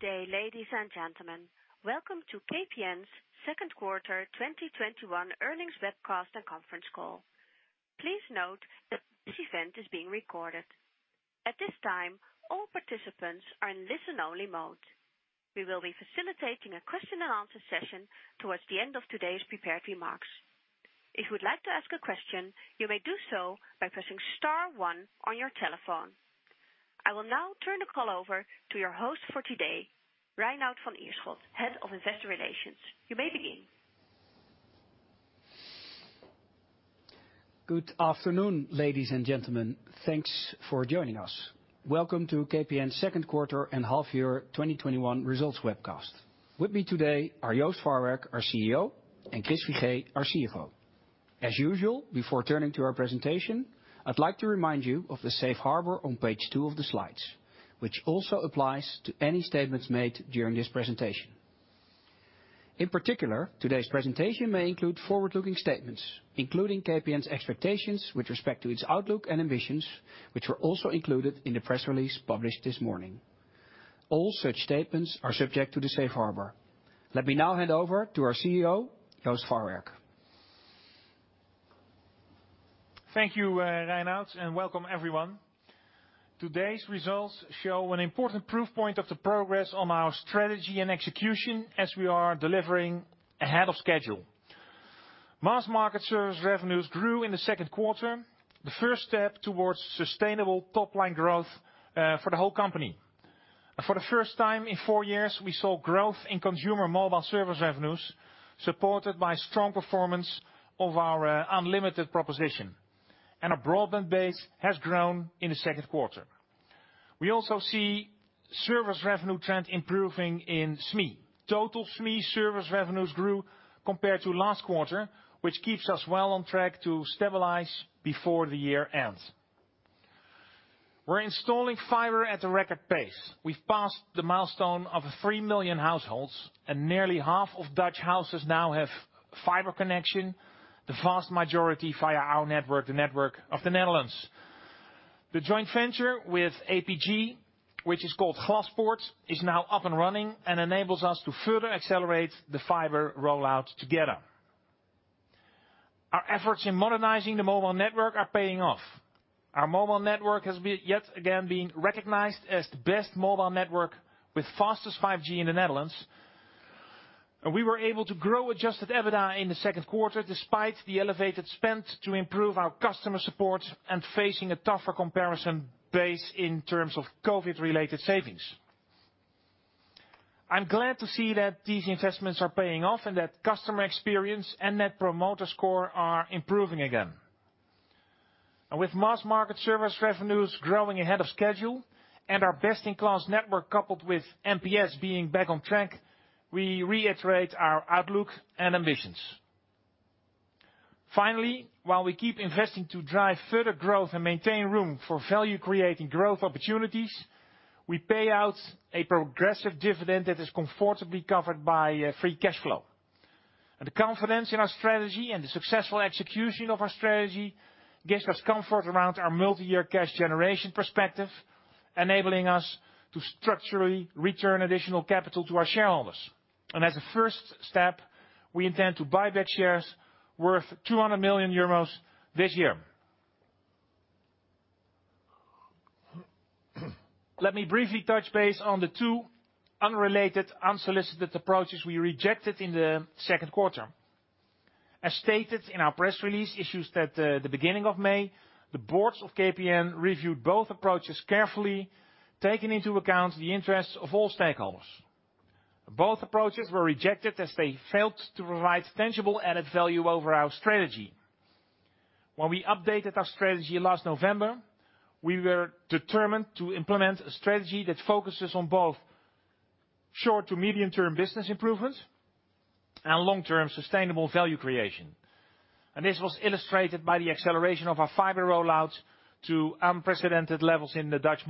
Good day, ladies and gentlemen. Welcome to KPN's second quarter 2021 earnings webcast and conference call. Please note that this event is being recorded. At this time, all participants are in listen only mode. We will be facilitating a question-and-answer session towards the end of today's prepared remarks. If you would like to ask a question, you may do so by pressing star one on your telephone. I will now turn the call over to your host for today, Reinout van Ierschot, Head of Investor Relations. You may begin. Good afternoon, ladies and gentlemen. Thanks for joining us. Welcome to KPN second quarter and half year 2021 results webcast. With me today are Joost Farwerck, our CEO, and Chris Figee, our CFO. As usual, before turning to our presentation, I'd like to remind you of the Safe Harbor on page two of the slides, which also applies to any statements made during this presentation. In particular, today's presentation may include forward-looking statements, including KPN's expectations with respect to its outlook and ambitions, which were also included in the press release published this morning. All such statements are subject to the Safe Harbor. Let me now hand over to our CEO, Joost Farwerck. Thank you, Reinout, and welcome everyone. Today's results show an important proof point of the progress on our strategy and execution as we are delivering ahead of schedule. Mass market service revenues grew in the second quarter, the first step towards sustainable top-line growth for the whole company. For the first time in four years, we saw growth in consumer mobile service revenues supported by strong performance of our unlimited proposition, and our broadband base has grown in the second quarter. We also see service revenue trend improving in SME. Total SME service revenues grew compared to last quarter, which keeps us well on track to stabilize before the year ends. We're installing fiber at a record pace. We've passed the milestone of 3 million households, and nearly half of Dutch houses now have fiber connection. The vast majority via our network, the network of the Netherlands. The joint venture with APG, which is called Glaspoort, is now up and running and enables us to further accelerate the fiber rollout together. Our efforts in modernizing the mobile network are paying off. Our mobile network has yet again been recognized as the best mobile network with fastest 5G in the Netherlands. We were able to grow adjusted EBITDA in the second quarter despite the elevated spend to improve our customer support and facing a tougher comparison base in terms of COVID related savings. I'm glad to see that these investments are paying off and that customer experience and net promoter score are improving again. With mass market service revenues growing ahead of schedule and our best-in-class network, coupled with NPS being back on track, we reiterate our outlook and ambitions. Finally, while we keep investing to drive further growth and maintain room for value-creating growth opportunities, we pay out a progressive dividend that is comfortably covered by free cash flow. The confidence in our strategy and the successful execution of our strategy gives us comfort around our multi-year cash generation perspective, enabling us to structurally return additional capital to our shareholders. As a first step, we intend to buy back shares worth 200 million euros this year. Let me briefly touch base on the two unrelated, unsolicited approaches we rejected in the second quarter. As stated in our press release issued at the beginning of May, the boards of KPN reviewed both approaches carefully, taking into account the interests of all stakeholders. Both approaches were rejected as they failed to provide tangible added value over our strategy. When we updated our strategy last November, we were determined to implement a strategy that focuses on both short to medium term business improvements and long-term sustainable value creation. This was illustrated by the acceleration of our fiber rollout to unprecedented levels in the Dutch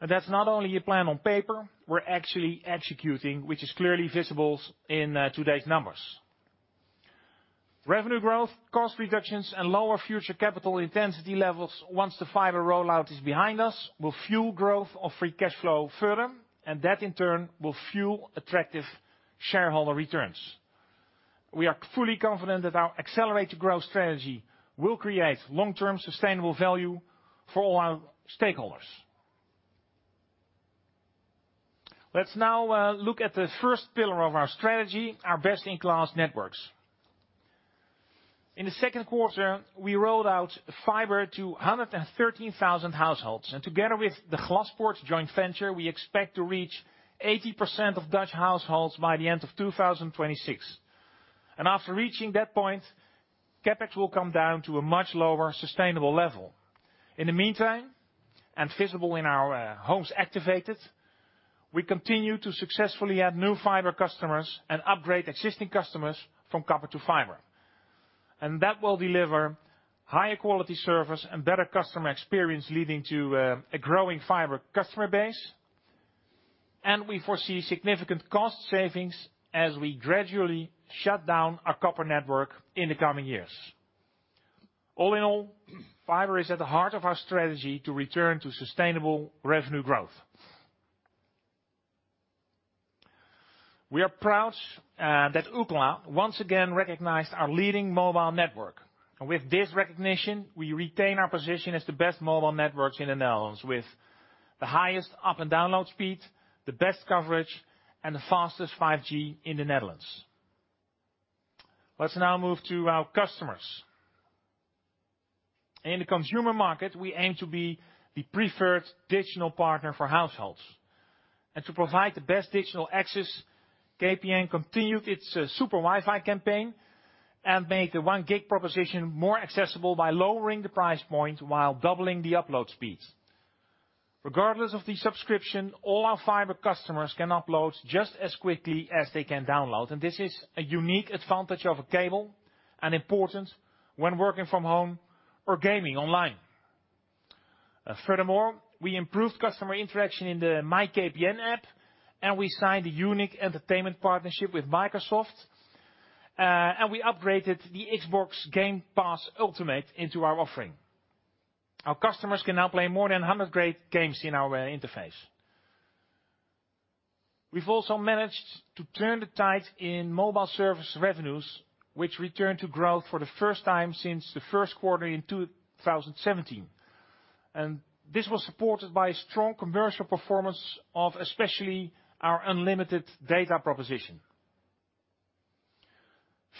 market. That's not only a plan on paper, we're actually executing, which is clearly visible in today's numbers. Revenue growth, cost reductions, and lower future capital intensity levels once the fiber rollout is behind us, will fuel growth of free cash flow further, and that in turn will fuel attractive shareholder returns. We are fully confident that our accelerated growth strategy will create long-term sustainable value for all our stakeholders. Let's now look at the first pillar of our strategy, our best-in-class networks. In the second quarter, we rolled out fiber to 113,000 households, and together with the Glaspoort joint venture, we expect to reach 80% of Dutch households by the end of 2026. After reaching that point, CapEx will come down to a much lower sustainable level. In the meantime, and visible in our homes activated, we continue to successfully add new fiber customers and upgrade existing customers from copper to fiber. That will deliver higher quality service and better customer experience, leading to a growing fiber customer base. We foresee significant cost savings as we gradually shut down our copper network in the coming years. All in all, fiber is at the heart of our strategy to return to sustainable revenue growth. We are proud that Ookla once again recognized our leading mobile network. With this recognition, we retain our position as the best mobile network in the Netherlands, with the highest up and download speed, the best coverage, and the fastest 5G in the Netherlands. Let's now move to our customers. In the consumer market, we aim to be the preferred digital partner for households. To provide the best digital access, KPN continued its SuperWifi campaign and made the 1 gig proposition more accessible by lowering the price point while doubling the upload speed. Regardless of the subscription, all our fiber customers can upload just as quickly as they can download, and this is a unique advantage of cable, and important when working from home or gaming online. Furthermore, we improved customer interaction in the MijnKPN app, and we signed a unique entertainment partnership with Microsoft, and we upgraded the Xbox Game Pass Ultimate into our offering. Our customers can now play more than 100 great games in our interface. We've also managed to turn the tide in mobile service revenues, which returned to growth for the first time since the first quarter in 2017. This was supported by a strong commercial performance of especially our unlimited data proposition.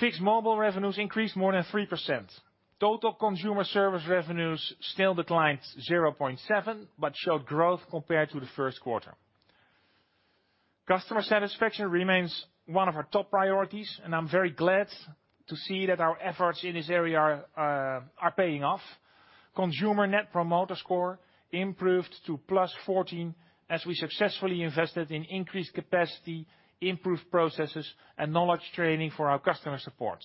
Fixed mobile revenues increased more than 3%. Total consumer service revenues still declined 0.7%, but showed growth compared to the first quarter. Customer satisfaction remains one of our top priorities, and I'm very glad to see that our efforts in this area are paying off. Consumer net promoter score improved to +14 as we successfully invested in increased capacity, improved processes, and knowledge training for our customer support.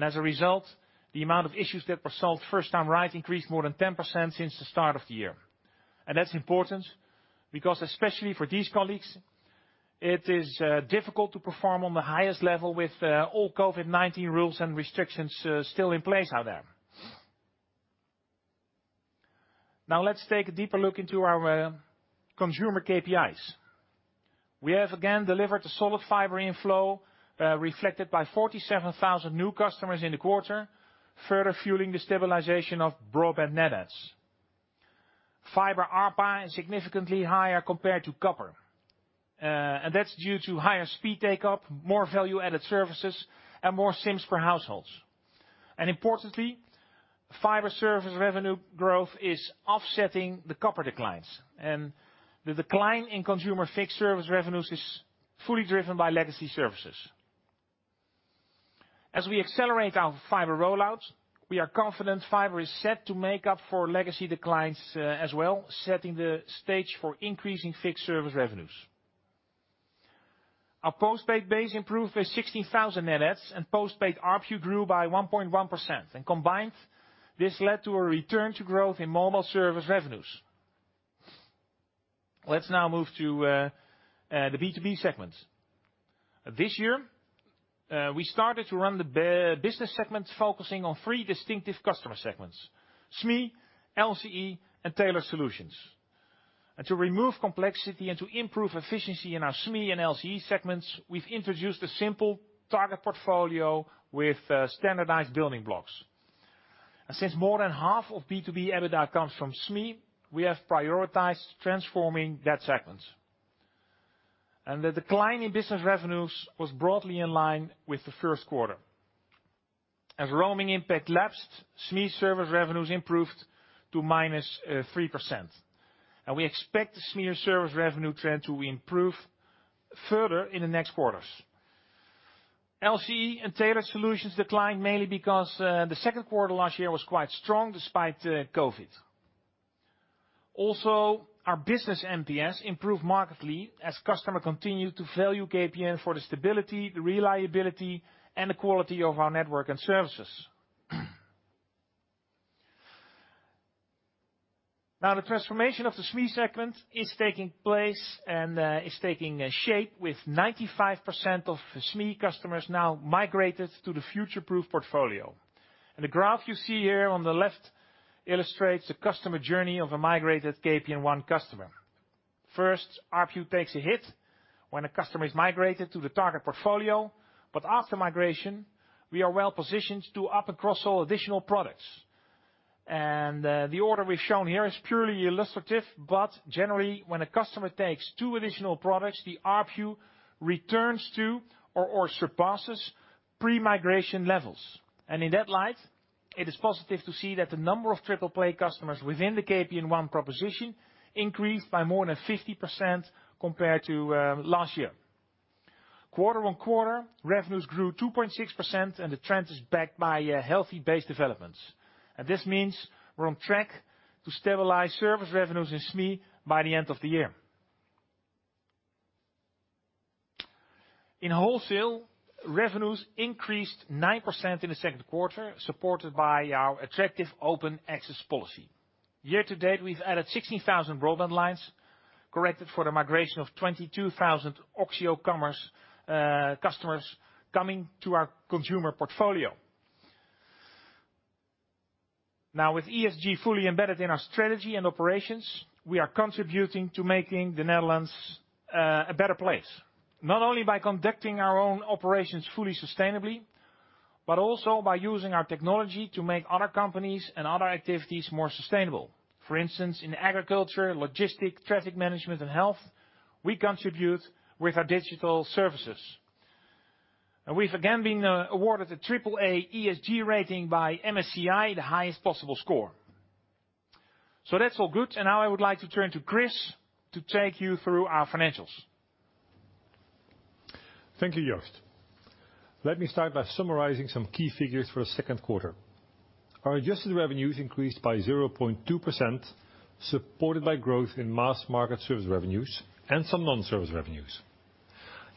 As a result, the amount of issues that were solved first time right increased more than 10% since the start of the year. That's important because especially for these colleagues, it is difficult to perform on the highest level with all COVID-19 rules and restrictions still in place out there. Now let's take a deeper look into our consumer KPIs. We have again delivered a solid fiber inflow, reflected by 47,000 new customers in the quarter, further fueling the stabilization of broadband net adds. Fiber ARPA is significantly higher compared to copper. That's due to higher speed take-up, more value-added services, and more SIMs per household. Importantly, fiber service revenue growth is offsetting the copper declines. The decline in consumer fixed service revenues is fully driven by legacy services. As we accelerate our fiber rollout, we are confident fiber is set to make up for legacy declines as well, setting the stage for increasing fixed service revenues. Our postpaid base improved by 16,000 net adds. Postpaid ARPU grew by 1.1%. Combined, this led to a return to growth in mobile service revenues. Let's now move to the B2B segment. This year, we started to run the business segment, focusing on three distinctive customer segments, SME, LCE, and tailored solutions. To remove complexity and to improve efficiency in our SME and LCE segments, we've introduced a simple target portfolio with standardized building blocks. Since more than half of B2B EBITDA comes from SME, we have prioritized transforming that segment. The decline in business revenues was broadly in line with the first quarter. As roaming impact lapsed, SME service revenues improved to -3%. We expect the SME service revenue trend to improve further in the next quarters. LCE and tailored solutions declined mainly because the second quarter last year was quite strong despite COVID. Also, our business NPS improved markedly as customers continued to value KPN for the stability, the reliability, and the quality of our network and services. Now the transformation of the SME segment is taking place and is taking shape with 95% of SME customers now migrated to the future-proof portfolio. The graph you see here on the left illustrates a customer journey of a migrated KPN One customer. First, ARPU takes a hit when a customer is migrated to the target portfolio, but after migration, we are well positioned to up- and cross-sell additional products. The order we've shown here is purely illustrative, but generally, when a customer takes two additional products, the ARPU returns to or surpasses pre-migration levels. In that light, it is positive to see that the number of triple play customers within the KPN One proposition increased by more than 50% compared to last year. Quarter-on-quarter, revenues grew 2.6%, and the trend is backed by healthy base developments. This means we're on track to stabilize service revenues in SME by the end of the year. In wholesale, revenues increased 9% in the second quarter, supported by our attractive open access policy. Year-to-date, we've added 16,000 broadband lines, corrected for the migration of 22,000 Oxxio Commerce customers coming to our consumer portfolio. Now, with ESG fully embedded in our strategy and operations, we are contributing to making the Netherlands a better place, not only by conducting our own operations fully sustainably, but also by using our technology to make other companies and other activities more sustainable. For instance, in agriculture, logistics, traffic management, and health, we contribute with our digital services. We've again been awarded a triple-A ESG rating by MSCI, the highest possible score. That's all good. Now I would like to turn to Chris to take you through our financials. Thank you, Joost. Let me start by summarizing some key figures for the second quarter. Our adjusted revenues increased by 0.2%, supported by growth in mass market service revenues and some non-service revenues.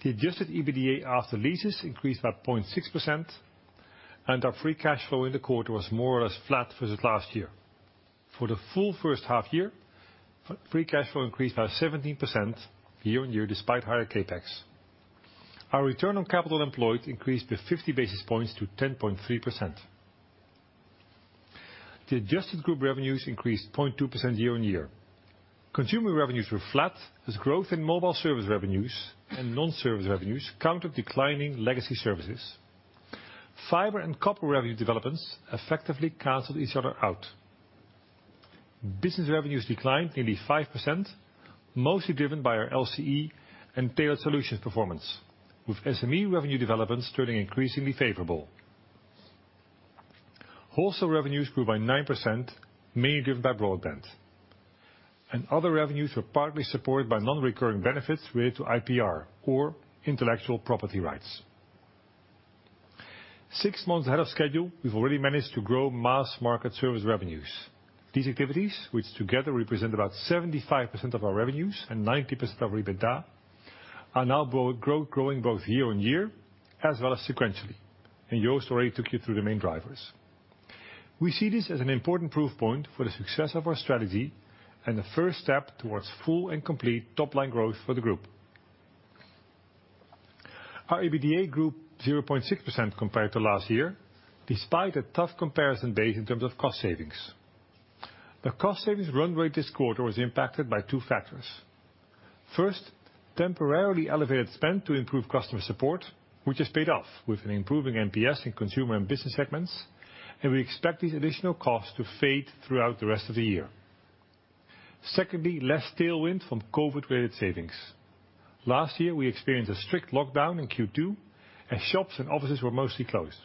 The adjusted EBITDA after leases increased by 0.6%, and our free cash flow in the quarter was more or less flat versus last year. For the full first half year, free cash flow increased by 17% year-on-year despite higher CapEx. Our return on capital employed increased by 50 basis points to 10.3%. The adjusted group revenues increased 0.2% year-on-year. Consumer revenues were flat as growth in mobile service revenues and non-service revenues counter declining legacy services. Fiber and copper revenue developments effectively canceled each other out. Business revenues declined nearly 5%, mostly driven by our LCE and tailored solution performance, with SME revenue developments turning increasingly favorable. Wholesale revenues grew by 9%, mainly driven by broadband. Other revenues were partly supported by non-recurring benefits related to IPR or intellectual property rights. Six months ahead of schedule, we've already managed to grow mass market service revenues. These activities, which together represent about 75% of our revenues and 90% of our EBITDA, are now growing both year-on-year as well as sequentially. Joost already took you through the main drivers. We see this as an important proof point for the success of our strategy and the first step towards full and complete top-line growth for the group. Our EBITDA grew 0.6% compared to last year, despite a tough comparison base in terms of cost savings. The cost savings runway this quarter was impacted by two factors. First, temporarily elevated spend to improve customer support, which has paid off with an improving NPS in consumer and business segments. We expect these additional costs to fade throughout the rest of the year. Secondly, less tailwind from COVID-related savings. Last year, we experienced a strict lockdown in Q2 and shops and offices were mostly closed.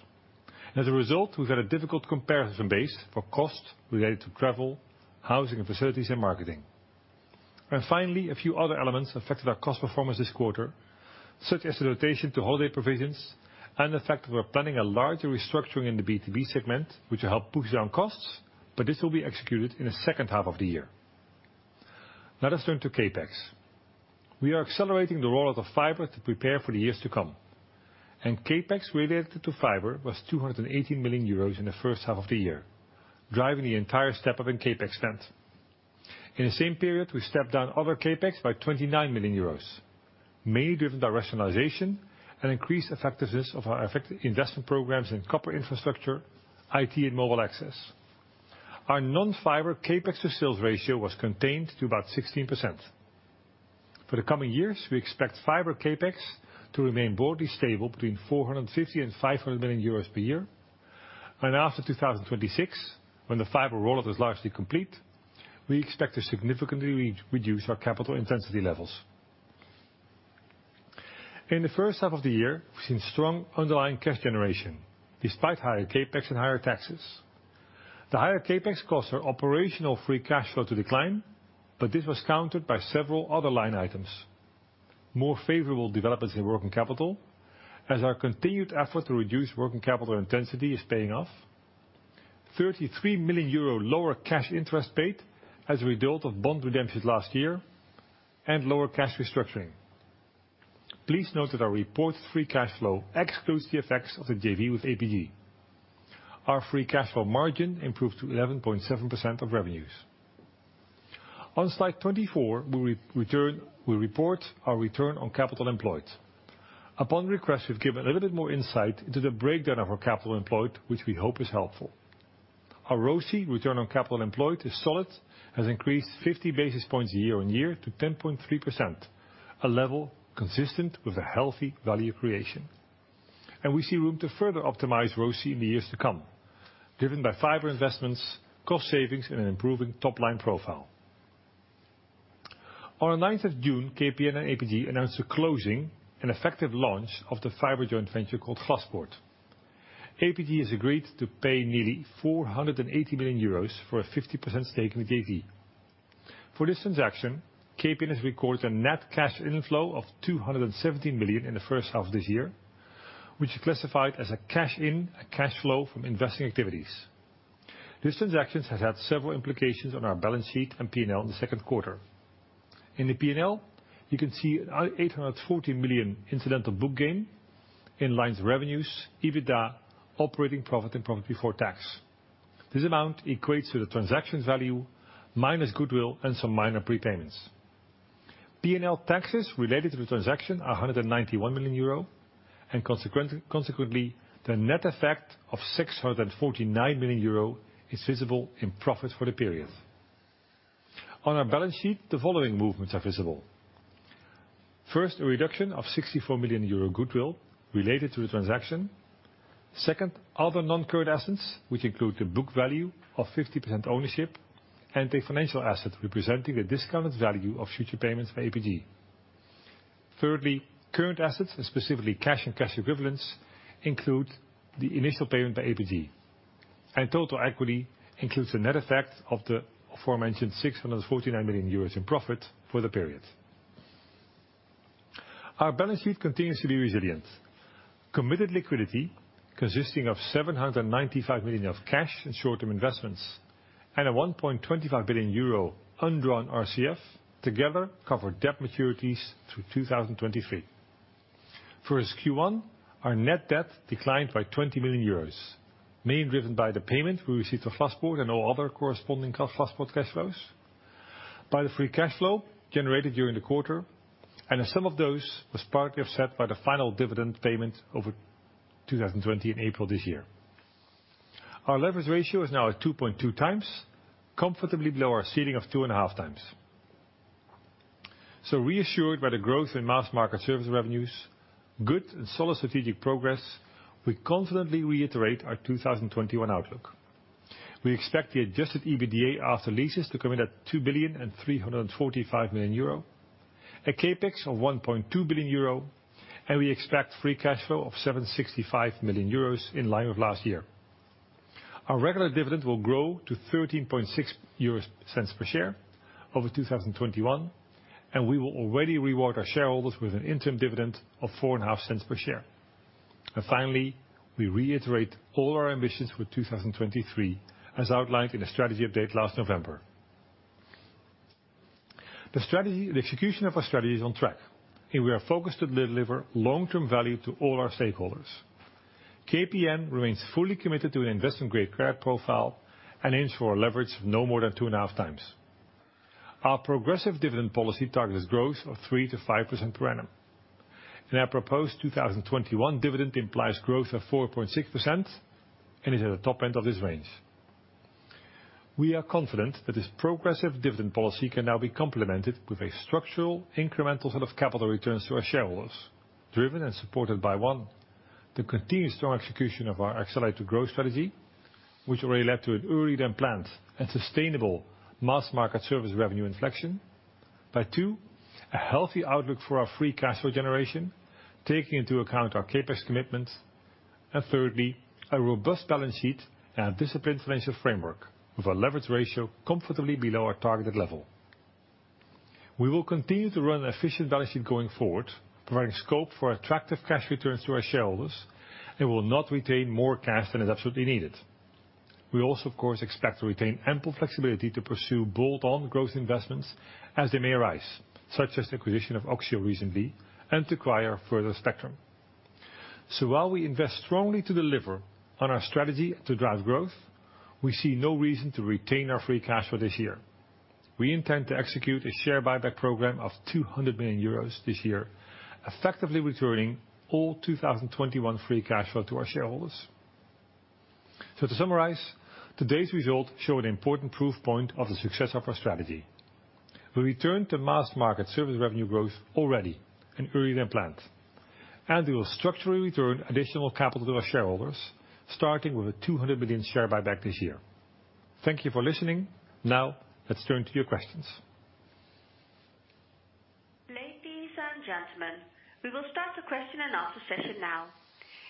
As a result, we've had a difficult comparison base for cost related to travel, housing, and facilities, and marketing. Finally, a few other elements affected our cost performance this quarter, such as the notation to holiday provisions and the fact that we're planning a larger restructuring in the B2B segment, which will help push down costs. This will be executed in the second half of the year. Let us turn to CapEx. We are accelerating the rollout of fiber to prepare for the years to come. CapEx related to fiber was 218 million euros in the first half of the year, driving the entire step-up in CapEx spend. In the same period, we stepped down other CapEx by 29 million euros, mainly driven by rationalization and increased effectiveness of our effective investment programs in copper infrastructure, IT, and mobile access. Our non-fiber CapEx to sales ratio was contained to about 16%. For the coming years, we expect fiber CapEx to remain broadly stable between 450 million and 500 million euros per year. After 2026, when the fiber roll-out is largely complete, we expect to significantly reduce our capital intensity levels. In the first half of the year, we've seen strong underlying cash generation, despite higher CapEx and higher taxes. The higher CapEx caused our operational free cash flow to decline, this was countered by several other line items. More favorable developments in working capital, as our continued effort to reduce working capital intensity is paying off. 33 million euro lower cash interest paid as a result of bond redemptions last year and lower cash restructuring. Please note that our reported free cash flow excludes the effects of the JV with APG. Our free cash flow margin improved to 11.7% of revenues. On slide 24, we report our return on capital employed. Upon request, we've given a little bit more insight into the breakdown of our capital employed, which we hope is helpful. Our ROCE, return on capital employed, is solid, has increased 50 basis points year-on-year to 10.3%, a level consistent with a healthy value creation. We see room to further optimize ROCE in the years to come, driven by fiber investments, cost savings, and an improving top-line profile. On the 9th of June, KPN and APG announced the closing and effective launch of the fiber joint venture called Glaspoort. APG has agreed to pay nearly 480 million euros for a 50% stake in the JV. For this transaction, KPN has recorded a net cash inflow of 217 million in the first half of this year, which is classified as a cash flow from investing activities. This transaction has had several implications on our balance sheet and P&L in the second quarter. In the P&L, you can see an 840 million incidental book gain in lines revenues, EBITDA, operating profit, and profit before tax. This amount equates to the transaction value minus goodwill and some minor prepayments. P&L taxes related to the transaction are 191 million euro, and consequently, the net effect of 649 million euro is visible in profit for the period. On our balance sheet, the following movements are visible. First, a reduction of 64 million euro goodwill related to the transaction. Second, other non-current assets, which include the book value of 50% ownership and the financial asset representing the discounted value of future payments by APG. Thirdly, current assets, specifically cash and cash equivalents, include the initial payment by APG. Total equity includes the net effect of the aforementioned 649 million euros in profit for the period. Our balance sheet continues to be resilient. Committed liquidity, consisting of 795 million of cash and short-term investments and a 1.25 billion euro undrawn RCF together cover debt maturities through 2023. For Q1, our net debt declined by 20 million euros, mainly driven by the payment we received from Glaspoort and all other corresponding Glaspoort cash flows, by the free cash flow generated during the quarter, and a sum of those was partly offset by the final dividend payment over 2020 in April this year. Our leverage ratio is now at 2.2 times, comfortably below our ceiling of 2.5 times. Reassured by the growth in mass market service revenues, good and solid strategic progress, we confidently reiterate our 2021 outlook. We expect the adjusted EBITDA after leases to come in at 2,345 million euro, a CapEx of 1.2 billion euro, and we expect free cash flow of 765 million euros in line with last year. Our regular dividend will grow to 0.136 per share over 2021. We will already reward our shareholders with an interim dividend of 0.045 per share. Finally, we reiterate all our ambitions for 2023, as outlined in the strategy update last November. The execution of our strategy is on track, and we are focused to deliver long-term value to all our stakeholders. KPN remains fully committed to an investment-grade credit profile and aims for a leverage of no more than 2.5 times. Our progressive dividend policy targets growth of 3%-5% per annum. Our proposed 2021 dividend implies growth of 4.6% and is at the top end of this range. We are confident that this progressive dividend policy can now be complemented with a structural, incremental set of capital returns to our shareholders, driven and supported by, one, the continued strong execution of our Accelerate to Grow strategy, which already led to an earlier-than-planned and sustainable mass market service revenue inflection. By two, a healthy outlook for our free cash flow generation, taking into account our CapEx commitments. Thirdly, a robust balance sheet and a disciplined financial framework with our leverage ratio comfortably below our targeted level. We will continue to run an efficient balance sheet going forward, providing scope for attractive cash returns to our shareholders and will not retain more cash than is absolutely needed. We also, of course, expect to retain ample flexibility to pursue bolt-on growth investments as they may arise, such as the acquisition of Oxxio recently, and to acquire further spectrum. While we invest strongly to deliver on our strategy to drive growth, we see no reason to retain our free cash flow this year. We intend to execute a share buyback program of 200 million euros this year, effectively returning all 2021 free cash flow to our shareholders. To summarize, today's results show an important proof point of the success of our strategy. We return to mass market service revenue growth already and earlier than planned, and we will structurally return additional capital to our shareholders, starting with a 200 million share buyback this year. Thank you for listening. Now, let's turn to your questions. Ladies and gentlemen, we will start the question-and-answer session now.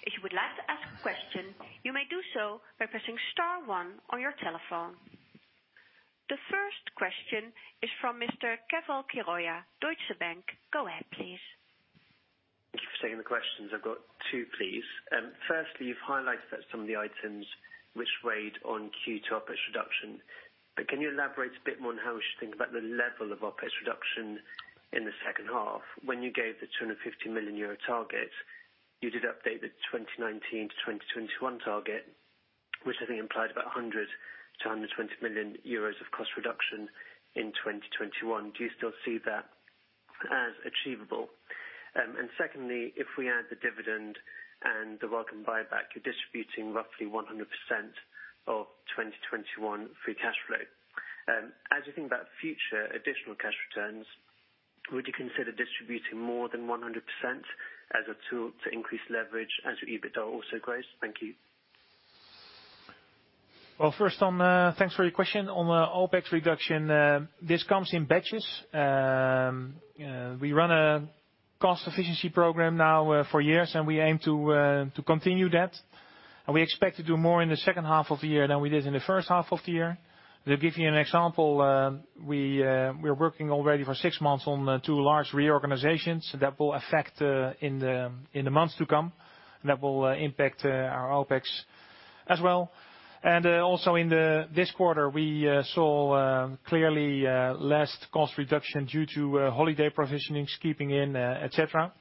If you would like to ask a question, you may do so by pressing star one on your telephone. The first question is from Mr. Keval Khiroya, Deutsche Bank. Go ahead, please. Thank you for taking the questions. I've got two, please. Firstly, you've highlighted that some of the items which weighed on Q2 OpEx reduction. Can you elaborate a bit more on how we should think about the level of OpEx reduction in the second half? When you gave the 250 million euro target, you did update the 2019-2021 target, which I think implied about 100 million-120 million euros of cost reduction in 2021. Do you still see that as achievable? Secondly, if we add the dividend and the welcome buyback, you're distributing roughly 100% of 2021 free cash flow. As you think about future additional cash returns, would you consider distributing more than 100% as a tool to increase leverage as your EBITDA also grows? Thank you. Well, first, thanks for your question. On OpEx reduction, this comes in batches. We run a cost efficiency program now for years, and we aim to continue that We expect to do more in the second half of the year than we did in the first half of the year. To give you an example, we're working already for six months on two large reorganizations that will affect in the months to come, and that will impact our OpEx as well. Also in this quarter, we saw clearly less cost reduction due to holiday provisionings keeping in, et cetera.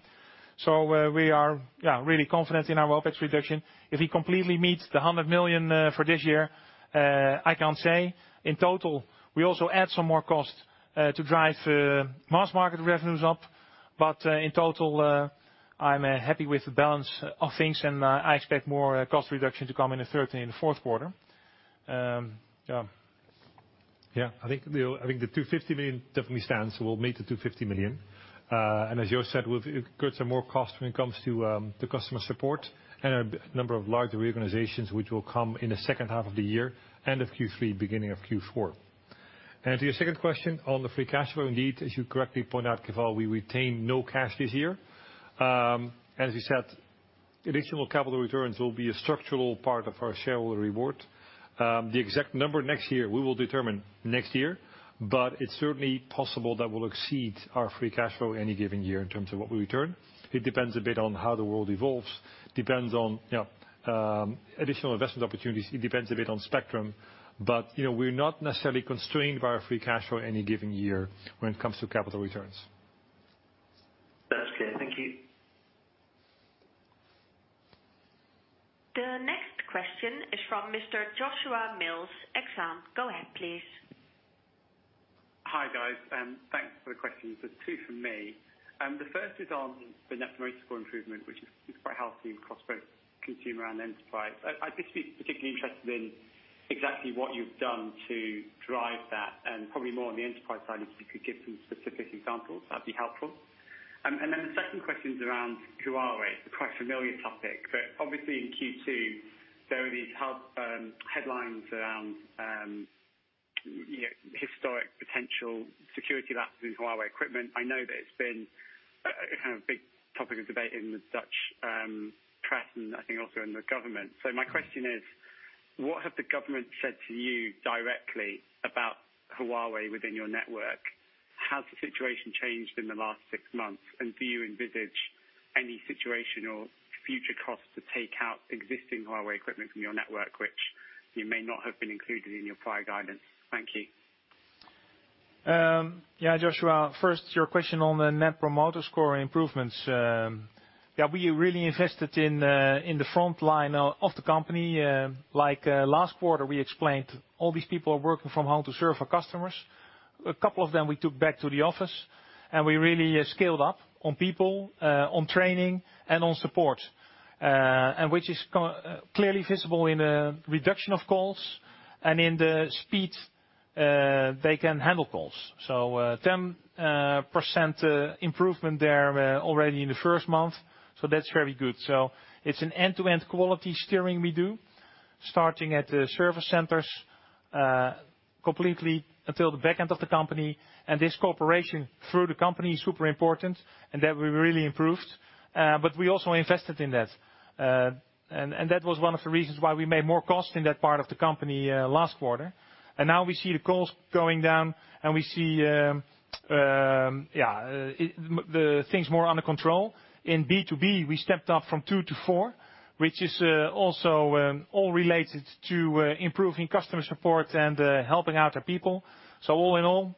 We are really confident in our OpEx reduction. If it completely meets the 100 million for this year, I can't say. In total, we also add some more cost to drive mass market revenues up. In total, I'm happy with the balance of things, and I expect more cost reduction to come in the third and fourth quarter. Yeah. Yeah. I think the 250 million definitely stands. We'll meet the 250 million. As Joost said, we've incurred some more cost when it comes to the customer support and a number of large reorganizations, which will come in the second half of the year and of Q3, beginning of Q4. To your second question on the free cash flow, indeed, as you correctly point out, Keval, we retain no cash this year. As we said, additional capital returns will be a structural part of our shareholder reward. The exact number next year, we will determine next year, but it's certainly possible that we'll exceed our free cash flow any given year in terms of what we return. It depends a bit on how the world evolves. Depends on additional investment opportunities. It depends a bit on spectrum. We're not necessarily constrained by our free cash flow any given year when it comes to capital returns. That's clear. Thank you. The next question is from Mr. Joshua Mills, Exane. Go ahead, please. Hi, guys. Thanks for the questions. There's two from me. The first is on the net promoter score improvement, which is quite healthy across both consumer and enterprise. I'd just be particularly interested in exactly what you've done to drive that, and probably more on the enterprise side, if you could give some specific examples, that'd be helpful. The second question is around Huawei. It's a quite familiar topic, but obviously in Q2, there are these headlines around historic potential security lapses in Huawei equipment. I know that it's been a big topic of debate in the Dutch press, and I think also in the government. My question is, what have the government said to you directly about Huawei within your network? Has the situation changed in the last six months? Do you envisage any situation or future costs to take out existing Huawei equipment from your network, which you may not have been included in your prior guidance? Thank you. Joshua, first, your question on the net promoter score improvements. We really invested in the front line of the company. Like last quarter, we explained all these people are working from home to serve our customers. A couple of them we took back to the office, and we really scaled up on people, on training, and on support, and which is clearly visible in a reduction of calls and in the speed they can handle calls. 10% improvement there already in the first month, so that's very good. It's an end-to-end quality steering we do, starting at the service centers completely until the back end of the company. This cooperation through the company is super important, and that we really improved. We also invested in that. That was one of the reasons why we made more cost in that part of the company last quarter. Now we see the calls going down and we see the things more under control. In B2B, we stepped up from two to four, which is also all related to improving customer support and helping out our people. All in all,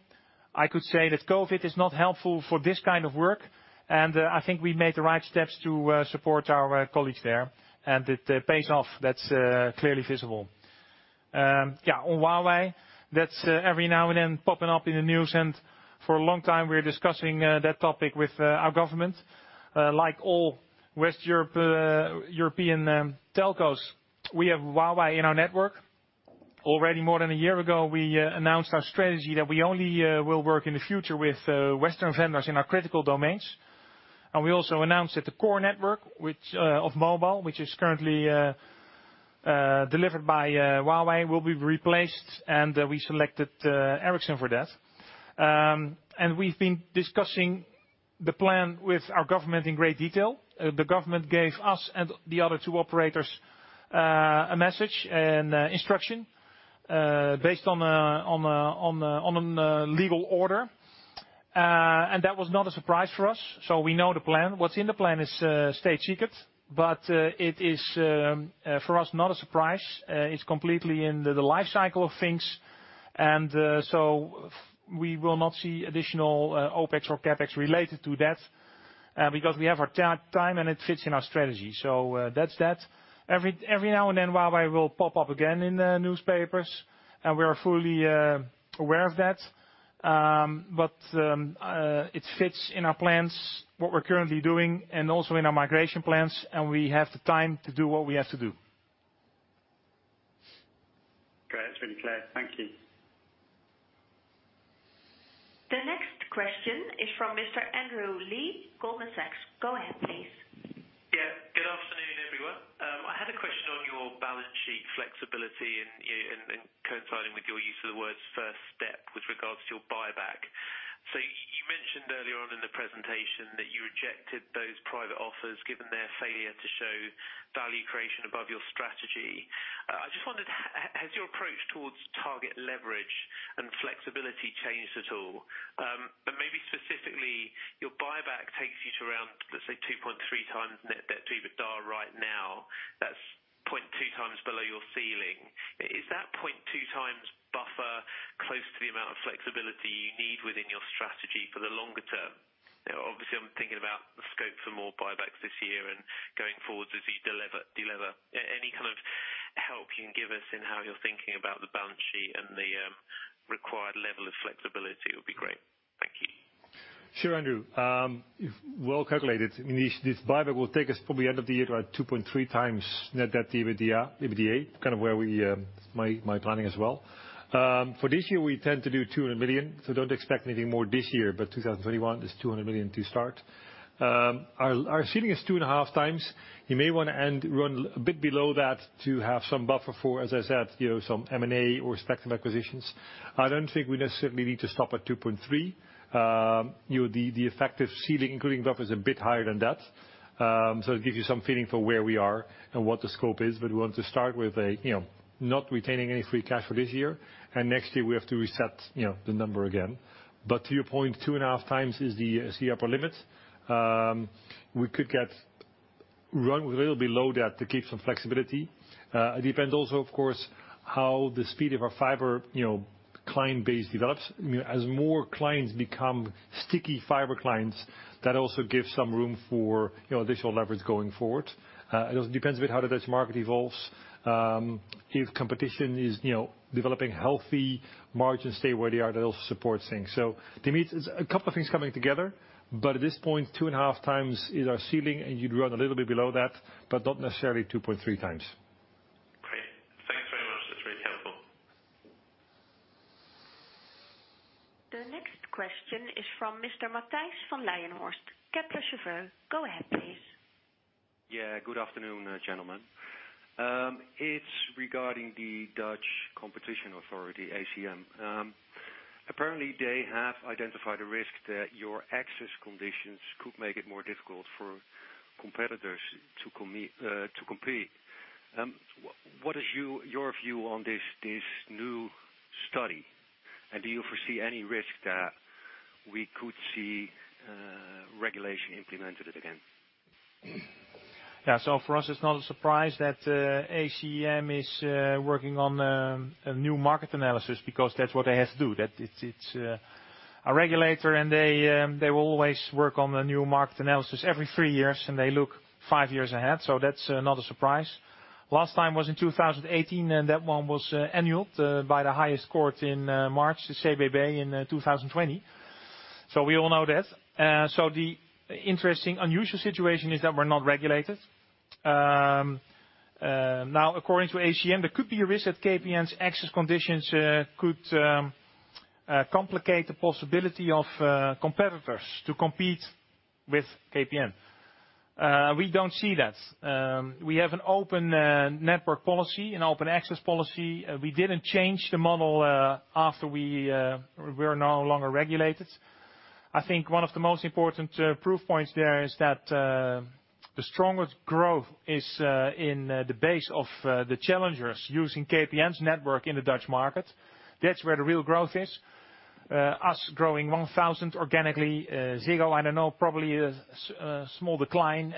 I could say that COVID is not helpful for this kind of work, and I think we made the right steps to support our colleagues there, and it pays off. That's clearly visible. On Huawei, that's every now and then popping up in the news, and for a long time, we're discussing that topic with our government. Like all West European telcos, we have Huawei in our network. Already more than a year ago, we announced our strategy that we only will work in the future with Western vendors in our critical domains. We also announced that the core network of mobile, which is currently delivered by Huawei, will be replaced, and we selected Ericsson for that. We've been discussing the plan with our government in great detail. The government gave us and the other two operators a message, an instruction based on a legal order. That was not a surprise for us. We know the plan. What's in the plan is state secret, but it is, for us, not a surprise. It's completely in the life cycle of things. We will not see additional OpEx or CapEx related to that, because we have our time, and it fits in our strategy. That's that. Every now and then, Huawei will pop up again in the newspapers, and we are fully aware of that. It fits in our plans, what we're currently doing, and also in our migration plans, and we have the time to do what we have to do. Great. That's really clear. Thank you. The next question is from Mr. Andrew Lee, Goldman Sachs. Go ahead, please. Yeah, good afternoon, everyone. I had a question on your Flexibility and coinciding with your use of the words first step with regards to your buyback. You mentioned earlier on in the presentation that you rejected those private offers, given their failure to show value creation above your strategy. I just wondered, has your approach towards target leverage and flexibility changed at all? Maybe specifically, your buyback takes you to around, let's say, 2.3 times net debt to EBITDA right now. That's 0.2 times below your ceiling. Is that 0.2 times buffer close to the amount of flexibility you need within your strategy for the longer term? Obviously I'm thinking about the scope for more buybacks this year and going forward as you de-lever. Any kind of help you can give us in how you're thinking about the balance sheet and the required level of flexibility would be great. Thank you. Sure, Andrew. Well calculated. This buyback will take us probably end of the year to about 2.3 times net debt to EBITDA. Kind of where my planning as well. For this year, we tend to do 200 million, don't expect anything more this year. 2021 is 200 million to start. Our ceiling is 2.5 times. You may want to end run a bit below that to have some buffer for, as I said, some M&A or selective acquisitions. I don't think we necessarily need to stop at 2.3. The effective ceiling, including buffer, is a bit higher than that. It gives you some feeling for where we are and what the scope is. We want to start with not retaining any free cash for this year, and next year we have to reset the number again. To your point, 2.5 times is the upper limit. We could get run a little below that to keep some flexibility. It depends also, of course, how the speed of our fiber client base develops. As more clients become sticky fiber clients, that also gives some room for additional leverage going forward. It also depends a bit how the Dutch market evolves. If competition is developing healthy, margins stay where they are, that'll support things. To me, it's a couple of things coming together. At this point, 2.5 times is our ceiling, and you'd run a little bit below that, but not necessarily 2.3 times. Great. Thanks very much. That's really helpful. The next question is from Mr. Matthijs van Leijenhorst, Kepler Cheuvreux. Go ahead, please. Yeah, good afternoon, gentlemen. It's regarding the Authority for Consumers and Markets, ACM. Apparently, they have identified a risk that your access conditions could make it more difficult for competitors to compete. What is your view on this new study? Do you foresee any risk that we could see regulation implemented again? For us, it's not a surprise that ACM is working on a new market analysis because that's what they have to do. It's a regulator, and they will always work on a new market analysis every three years, and they look five years ahead. That's not a surprise. Last time was in 2018, and that one was annulled by the highest court in March, the CBB, in 2020. We all know that. The interesting, unusual situation is that we're not regulated. Now, according to ACM, there could be a risk that KPN's access conditions could complicate the possibility of competitors to compete with KPN. We don't see that. We have an open network policy, an open access policy. We didn't change the model after we were no longer regulated. I think one of the most important proof points there is that the strongest growth is in the base of the challengers using KPN's network in the Dutch market. That's where the real growth is. Us growing 1,000 organically. Ziggo, I don't know, probably a small decline.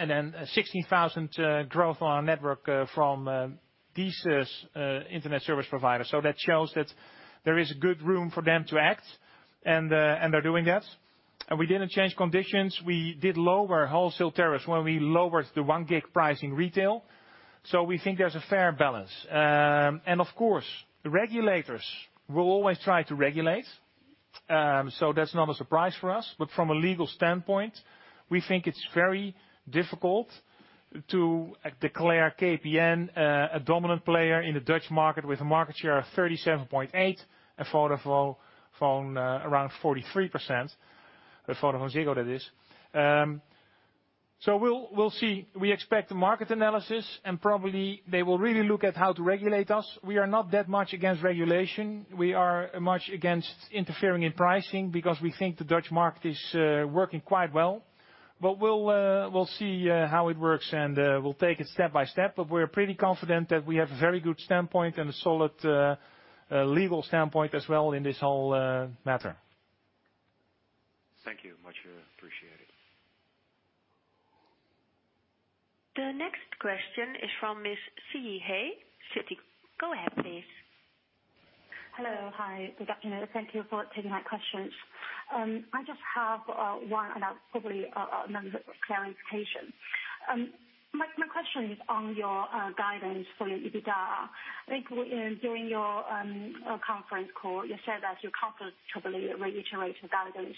16,000 growth on our network from these internet service providers. That shows that there is good room for them to act, and they're doing that. We didn't change conditions. We did lower wholesale tariffs when we lowered the 1 gig price in retail. We think there's a fair balance. Of course, regulators will always try to regulate. That's not a surprise for us. From a legal standpoint, we think it's very difficult to declare KPN a dominant player in the Dutch market with a market share of 37.8%, and Vodafone around 43%. VodafoneZiggo, that is. We'll see. We expect the market analysis, and probably they will really look at how to regulate us. We are not that much against regulation. We are much against interfering in pricing because we think the Dutch market is working quite well. We'll see how it works, and we'll take it step by step. We're pretty confident that we have a very good standpoint and a solid legal standpoint as well in this whole matter. Thank you much. Appreciate it. The next question is from Miss Siyi He, Citi. Go ahead, please. Hello. Hi. Good afternoon. Thank you for taking my questions. I just have one, and that's probably a matter of clarification. My question is on your guidance for your EBITDA. I think during your conference call, you said that you're comfortably reiterating guidance.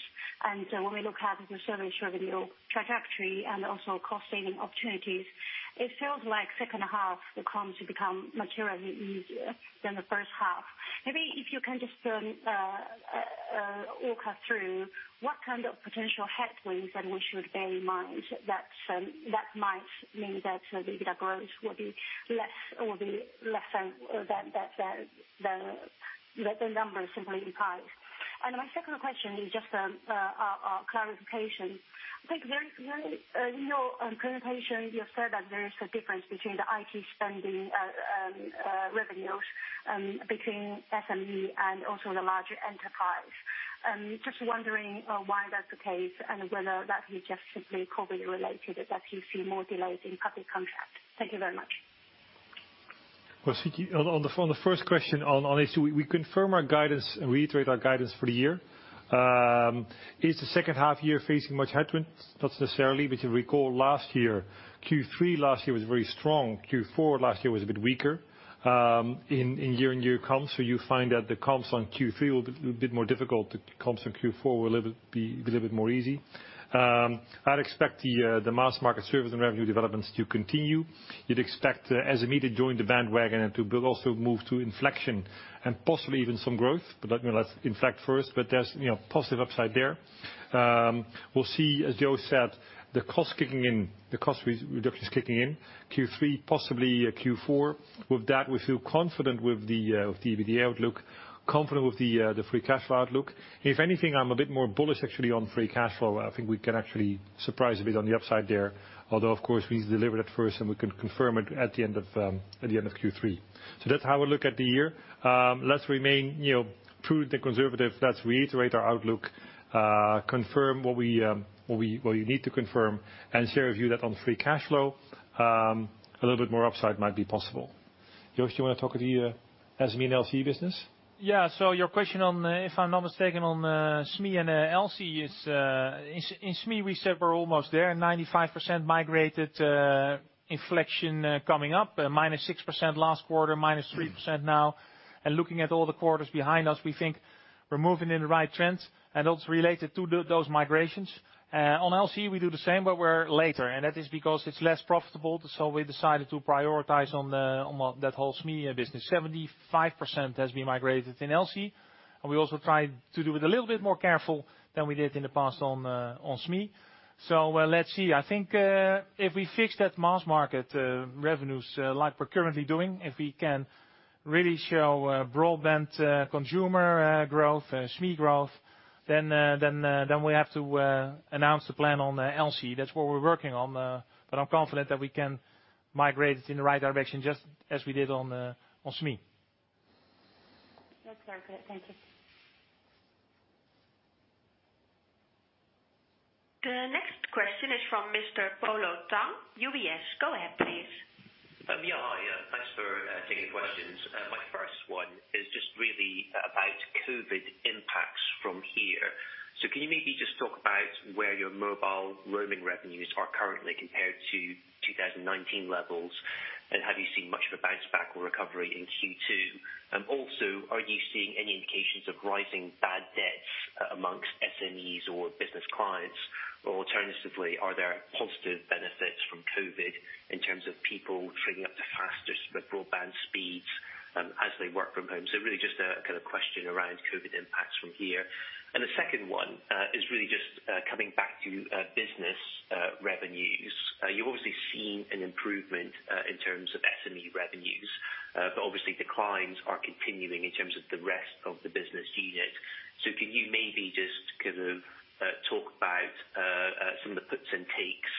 When we look at your service revenue trajectory and also cost saving opportunities, it feels like second half the comps become materially easier than the first half. Maybe if you can just walk us through what kind of potential headwinds that we should bear in mind that might mean that EBITDA growth will be less than the number simply implies. My second question is just a clarification. I think in your presentation, you have said that there is a difference between the IT spending revenues between SME and also the larger enterprise. I am just wondering why that's the case and whether that is just simply COVID-19 related, as you see more delays in public contracts. Thank you very much. Well, on the first question, on H2, we confirm our guidance and reiterate our guidance for the year. Is the second half year facing much headwind? Not necessarily. You recall last year, Q3 last year was very strong. Q4 last year was a bit weaker. In year and year comps, you find that the comps on Q3 will be a bit more difficult. The comps on Q4 will be a little bit more easy. I'd expect the mass market service and revenue developments to continue. You'd expect SME to join the bandwagon and to also move to inflection and possibly even some growth. Let's inflect first, but there's positive upside there. We'll see, as Joost said, the cost reductions kicking in Q3, possibly Q4. With that, we feel confident with the EBITDA outlook, confident with the free cash flow outlook. If anything, I'm a bit more bullish actually on free cash flow. I think we can actually surprise a bit on the upside there. Although, of course, we need to deliver it at first, and we can confirm it at the end of Q3. That's how I look at the year. Let's remain prudent and conservative. Let's reiterate our outlook, confirm what we need to confirm, and share with you that on free cash flow, a little bit more upside might be possible. Joost, you want to talk to the SME and LC business? Your question on, if I'm not mistaken, on SME and LC is, in SME, we said we're almost there, 95% migrated, inflection coming up, -6% last quarter, -3% now. Looking at all the quarters behind us, we think we're moving in the right trends, and that's related to those migrations. On LC, we do the same, but we're later, and that is because it's less profitable. We decided to prioritize on that whole SME business. 75% has been migrated in LC, and we also try to do it a little bit more careful than we did in the past on SME. Let's see. I think, if we fix that mass market revenues like we're currently doing, if we can really show broadband consumer growth, SME growth, then we have to announce the plan on LC. That's what we're working on. I'm confident that we can migrate it in the right direction, just as we did on SME. That's very clear. Thank you. The next question is from Mr. Polo Tang, UBS. Go ahead, please. Yeah. Hi. Thanks for taking questions. My first one is just really about COVID impacts from here. Can you maybe just talk about where your mobile roaming revenues are currently compared to 2019 levels, and have you seen much of a bounce back or recovery in Q2? Are you seeing any indications of rising bad debts amongst SMEs or business clients? Alternatively, are there positive benefits from COVID in terms of people triggering up to faster broadband speeds as they work from home? Really just a question around COVID impacts from here. The second one is really just coming back to business revenues. You've obviously seen an improvement in terms of SME revenues, but obviously declines are continuing in terms of the rest of the business unit. Can you maybe just talk about some of the puts and takes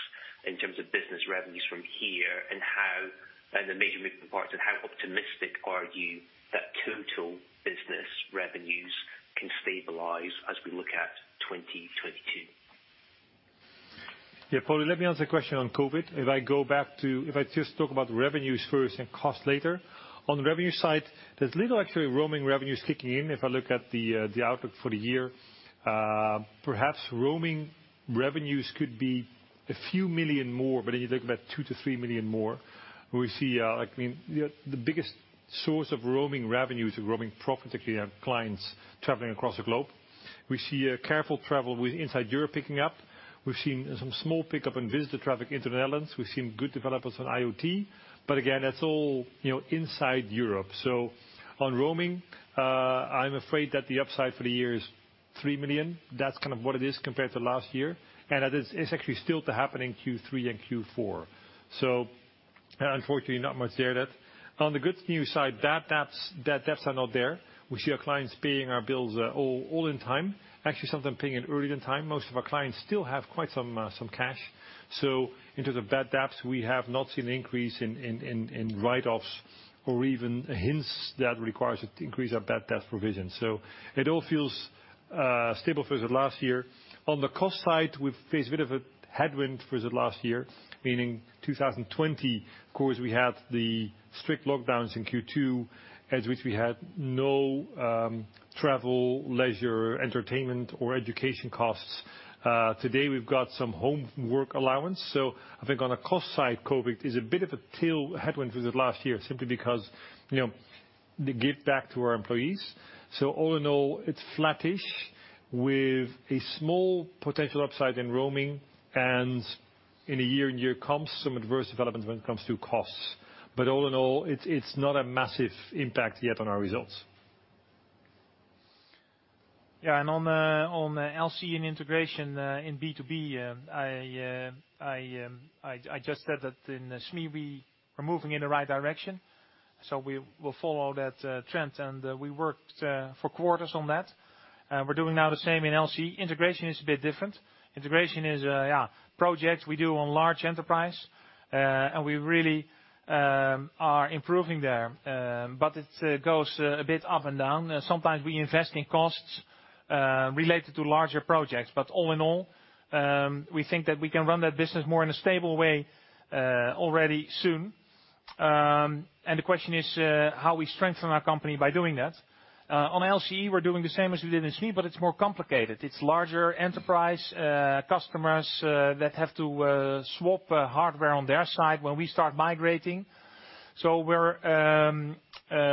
in terms of business revenues from here, and the major moving parts, and how optimistic are you that total business revenues can stabilize as we look at 2022? Yeah, Polo, let me answer your question on COVID-19. If I just talk about revenues first and cost later. On the revenue side, there's little actually roaming revenues kicking in, if I look at the outlook for the year. Perhaps roaming revenues could be a few million more, if you think about 2 million-3 million more. The biggest source of roaming revenues or roaming profit, particularly our clients traveling across the globe. We see a careful travel inside Europe picking up. We've seen some small pickup in visitor traffic into the Netherlands. We've seen good developments on IoT. Again, that's all inside Europe. On roaming, I'm afraid that the upside for the year is 3 million. That's what it is compared to last year. That is actually still to happen in Q3 and Q4. Unfortunately, not much there yet. On the good news side, bad debts are not there. We see our clients paying our bills all in time. Actually, some of them paying it earlier than time. Most of our clients still have quite some cash. In terms of bad debts, we have not seen an increase in write-offs or even hints that requires us to increase our bad debt provision. It all feels stable for the last year. On the cost side, we face a bit of a headwind for the last year, meaning 2020, of course, we had the strict lockdowns in Q2, as which we had no travel, leisure, entertainment, or education costs. Today, we've got some home work allowance. I think on the cost side, COVID is a bit of a tail headwind for the last year, simply because the give back to our employees. All in all, it's flattish with a small potential upside in roaming and in a year comp, some adverse development when it comes to costs. All in all, it's not a massive impact yet on our results. Yeah. On LCE and integration, in B2B, I just said that in SME, we are moving in the right direction. We will follow that trend and we worked four quarters on that. We're doing now the same in LC. Integration is a bit different. Integration is a project we do on large enterprise, and we really are improving there. It goes a bit up and down. Sometimes we invest in costs, related to larger projects. All in all, we think that we can run that business more in a stable way, already soon. The question is, how we strengthen our company by doing that? On LCE, we're doing the same as we did in SME, but it's more complicated. It's larger enterprise, customers, that have to swap hardware on their side when we start migrating. We're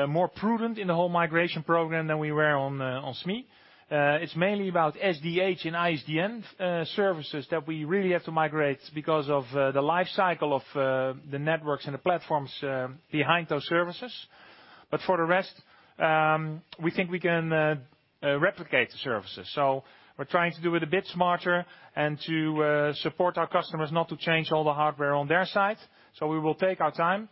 more prudent in the whole migration program than we were on SME. It's mainly about SDH and ISDN services that we really have to migrate because of the life cycle of the networks and the platforms behind those services. For the rest, we think we can replicate the services. We're trying to do it a bit smarter and to support our customers not to change all the hardware on their side. We will take our time.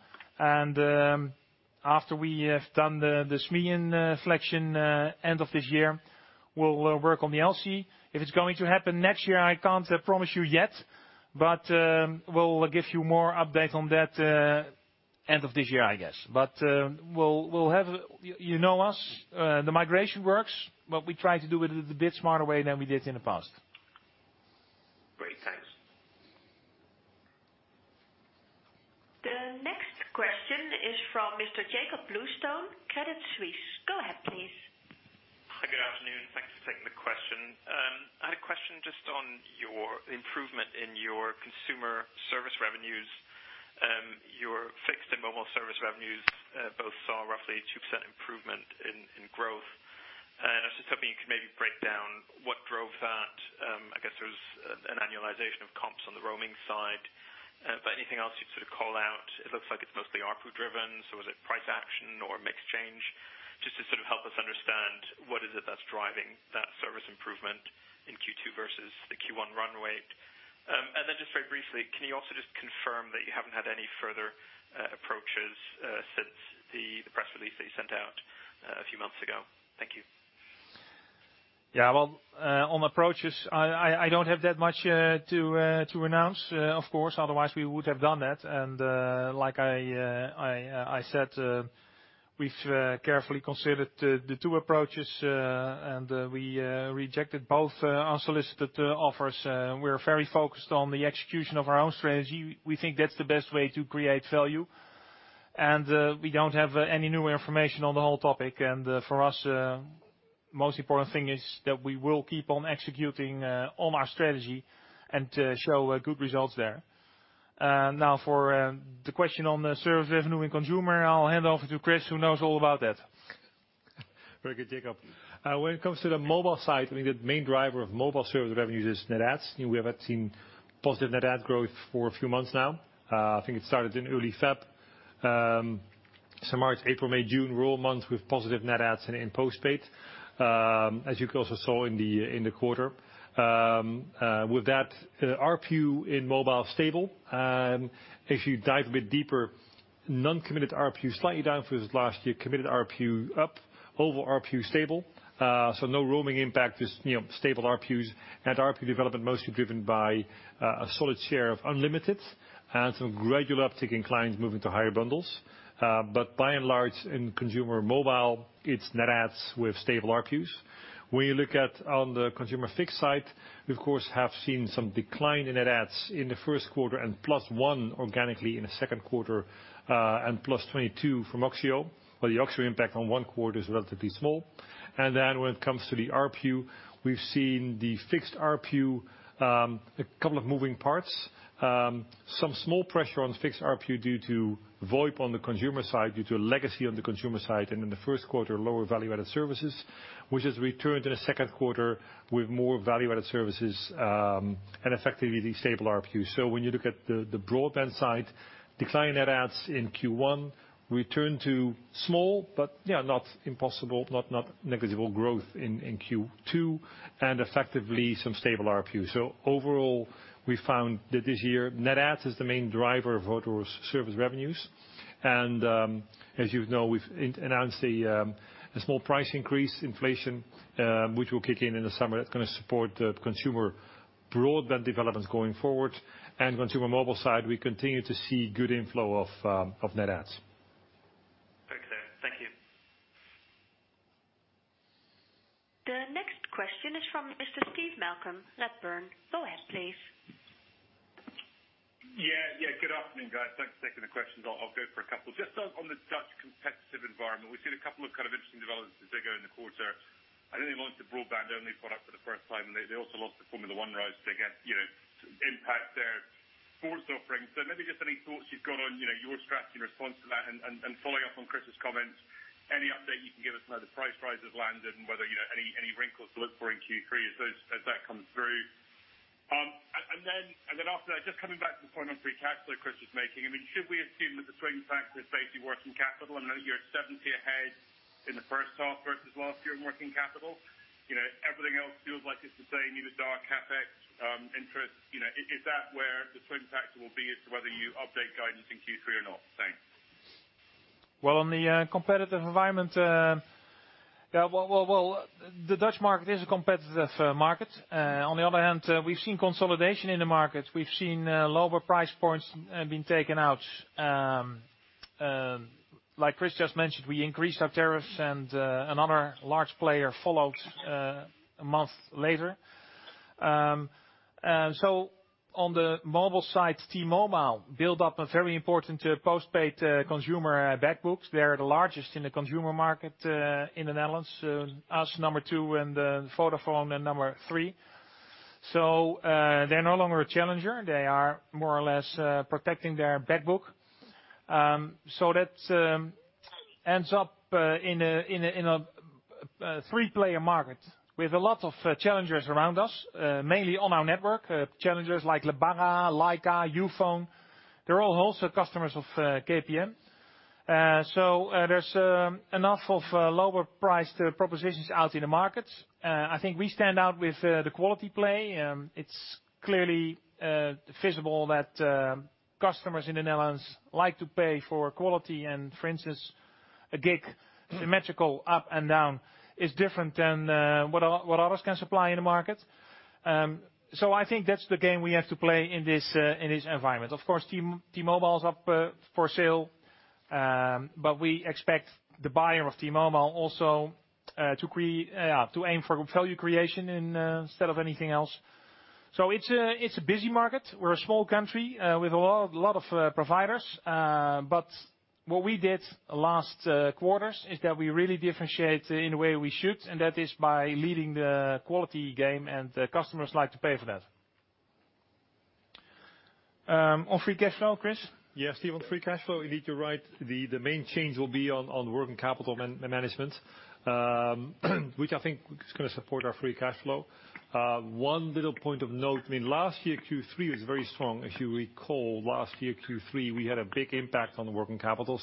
After we have done the SME and selection, end of this year, we'll work on the LC. If it's going to happen next year, I can't promise you yet, but we'll give you more update on that, end of this year, I guess. You know us, the migration works, but we try to do it a bit smarter way than we did in the past. Great. Thanks. The next question is from Mr. Jakob Bluestone, Credit Suisse. Go ahead, please. Hi, good afternoon. Thanks for taking the question. I had a question just on your improvement in your consumer service revenues. Your fixed and mobile service revenues, both saw roughly 2% improvement in growth. I was just hoping you could maybe break down what drove that. I guess there's an annualization of comps on the roaming side. Anything else you'd sort of call out? It looks like it's mostly ARPU driven, so is it price action or mix change? Just to help us understand what is it that's driving that service improvement in Q2 versus the Q1 run rate. Just very briefly, can you also just confirm that you haven't had any further approaches, since the press release that you sent out a few months ago? Thank you. Yeah. Well, on approaches, I don't have that much to announce, of course, otherwise we would have done that. Like I said, we've carefully considered the two approaches, and we rejected both unsolicited offers. We're very focused on the execution of our own strategy. We think that's the best way to create value. We don't have any new information on the whole topic. For us, most important thing is that we will keep on executing on our strategy and to show good results there. Now for the question on the service revenue and consumer, I'll hand off to Chris, who knows all about that. Very good, Jakob. When it comes to the mobile side, the main driver of mobile service revenues is net adds. We have seen positive net add growth for a few months now. I think it started in early February. March, April, May, June, all months with positive net adds and in postpaid. As you also saw in the quarter. With that, ARPU in mobile stable. If you dive a bit deeper, non-committed ARPU slightly down versus last year. Committed ARPU up, overall ARPU stable. No roaming impact is stable ARPUs. Net ARPU development mostly driven by a solid share of unlimited, and some gradual uptick in clients moving to higher bundles. By and large, in consumer mobile, it's net adds with stable ARPUs. When you look at on the consumer fixed side, we of course, have seen some decline in net adds in the first quarter and +1 organically in the second quarter, and +22 from Oxxio. The Oxxio impact on one quarter is relatively small. When it comes to the ARPU, we've seen the fixed ARPU, two moving parts. Some small pressure on fixed ARPU due to VoIP on the consumer side due to legacy on the consumer side, and in the first quarter, lower value-added services, which has returned in the second quarter with more value-added services, and effectively stable ARPU. When you look at the broadband side, decline net adds in Q1 return to small, but not impossible, not negligible growth in Q2, and effectively some stable ARPU. Overall, we found that this year net adds is the main driver of our service revenues. As you know, we've announced a small price increase inflation, which will kick in in the summer. That's going to support the consumer broadband developments going forward. Consumer mobile side, we continue to see good inflow of net adds. Okay. Thank you. The next question is from Mr. Steve Malcolm, Redburn. Go ahead, please. Yeah. Good afternoon, guys. Thanks for taking the questions. I'll go for a couple. Just on the Dutch competitive environment. We've seen a couple of interesting developments as they go in the quarter. I think they launched a broadband-only product for the first time, and they also lost the Formula 1 rights. They get impact to their sports offering. Maybe just any thoughts you've got on your strategy in response to that and following up on Chris's comments, any update you can give us on how the price rise has landed and whether any wrinkles to look for in Q3 as that comes through? After that, just coming back to the point on free cash flow Chris was making. Should we assume that the swing factor is basically working capital? I know you're 70 ahead in the first half versus last year in working capital. Everything else feels like it's the same, EBITDA, CapEx, interest. Is that where the swing factor will be as to whether you update guidance in Q3 or not? Thanks. Well, on the competitive environment, the Dutch market is a competitive market. On the other hand, we've seen consolidation in the market. We've seen lower price points being taken out. Like Chris just mentioned, we increased our tariffs, and another large player followed a month later. On the mobile side, T-Mobile built up a very important postpaid consumer back books. They're the largest in the consumer market, in the Netherlands. Us number two, and Vodafone at number three. They're no longer a challenger. They are more or less protecting their back book. That ends up in a three-player market. We have a lot of challengers around us, mainly on our network. Challengers like Lebara, Lyca, Youfone. They're all also customers of KPN. There's enough of lower priced propositions out in the market. I think we stand out with the quality play. It's clearly visible that customers in the Netherlands like to pay for quality. For instance, a gig symmetrical up and down is different than what others can supply in the market. I think that's the game we have to play in this environment. Of course, T-Mobile's up for sale, but we expect the buyer of T-Mobile also to aim for value creation instead of anything else. It's a busy market. We're a small country with a lot of providers. What we did last quarters is that we really differentiate in the way we should, and that is by leading the quality game, and the customers like to pay for that. On free cash flow, Chris? Yes, Steve, free cash flow, indeed, you're right, the main change will be on working capital management, which I think is going to support our free cash flow. One little point of note, last year, Q3 was very strong. If you recall, last year, Q3, we had a big impact on the working capital.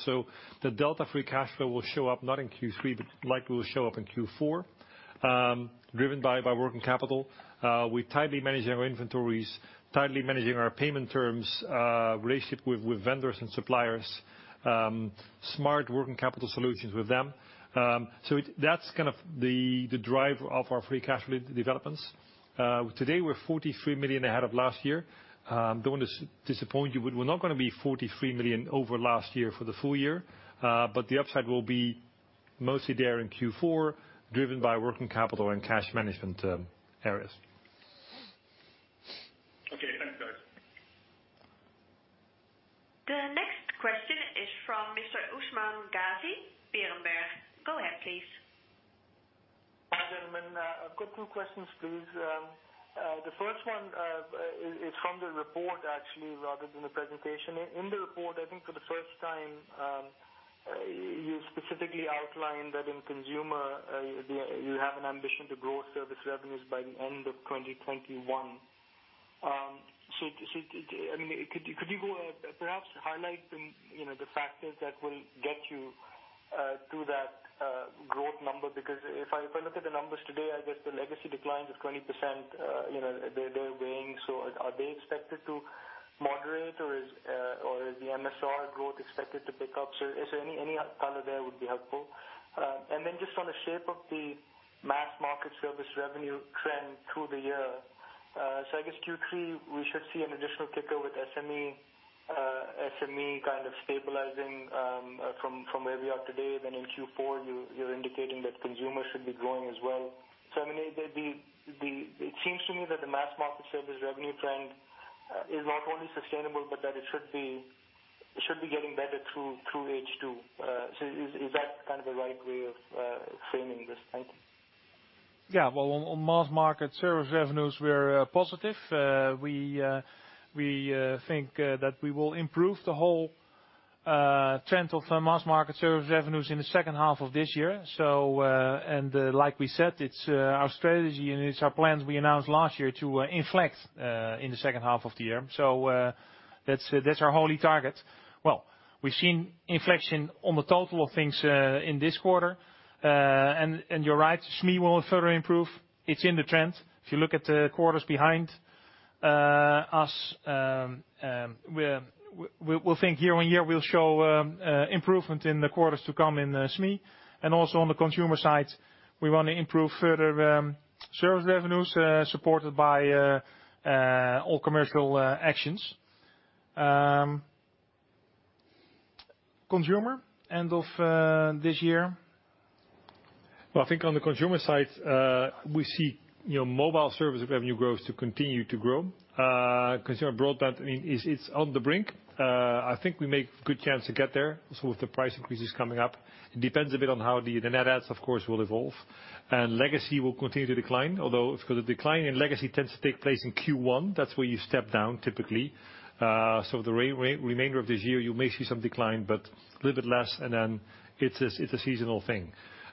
The delta free cash flow will show up not in Q3, but likely will show up in Q4, driven by working capital. We're tightly managing our inventories, tightly managing our payment terms, relationship with vendors and suppliers, smart working capital solutions with them. That's the drive of our free cash flow developments. Today, we're 43 million ahead of last year. I don't want to disappoint you, but we're not going to be 43 million over last year for the full year. The upside will be mostly there in Q4, driven by working capital and cash management areas. Okay. Thanks, guys. The next question is from Mr. Usman Ghazi, Berenberg. Go ahead, please. Hi, gentlemen. I've got two questions, please. The first one is from the report, actually, rather than the presentation. In the report, I think for the first time, you specifically outlined that in consumer, you have an ambition to grow service revenues by the end of 2021. Could you perhaps highlight the factors that will get you to that growth number? Because if I look at the numbers today, I guess the legacy declines of 20%, they're weighing. Are they expected to moderate, or is the MSR growth expected to pick up? Any color there would be helpful. Just on the shape of the mass market service revenue trend through the year. I guess Q3, we should see an additional kicker with SME stabilizing from where we are today. In Q4, you're indicating that consumer should be growing as well. It seems to me that the mass market service revenue trend is not only sustainable, but that it should be getting better through H2. Is that the right way of framing this? Thank you. Yeah. Well, on mass market service revenues, we're positive. We think that we will improve the whole trend of mass market service revenues in the second half of this year. Like we said, it's our strategy, and it's our plans we announced last year to inflect in the second half of the year. That's our holy target. Well, we've seen inflection on the total of things in this quarter. You're right, SME will further improve. It's in the trend. If you look at the quarters behind us, we think year-on-year, we'll show improvement in the quarters to come in SME. Also on the consumer side, we want to improve further service revenues, supported by all commercial actions. Consumer, end of this year. Well, I think on the consumer side, we see mobile service revenue growth to continue to grow. Consumer broadband, it's on the brink. I think we make good chance to get there. With the price increases coming up, it depends a bit on how the net adds, of course, will evolve. Legacy will continue to decline, although, because a decline in legacy tends to take place in Q1, that's where you step down, typically. The remainder of this year, you may see some decline, but a little bit less, and then it's a seasonal thing.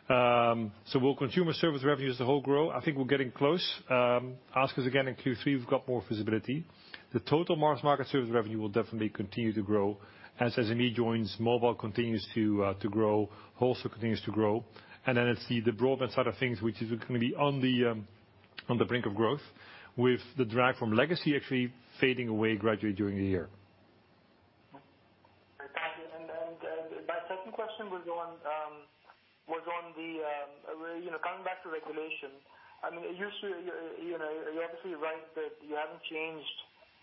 Will consumer service revenues as a whole grow? I think we're getting close. Ask us again in Q3, we've got more visibility. The total mass market service revenue will definitely continue to grow. As SME joins, mobile continues to grow, wholesale continues to grow. It's the broadband side of things, which is going to be on the brink of growth, with the drive from legacy actually fading away gradually during the year. Thank you. My second question was coming back to regulation. You're obviously right that you haven't changed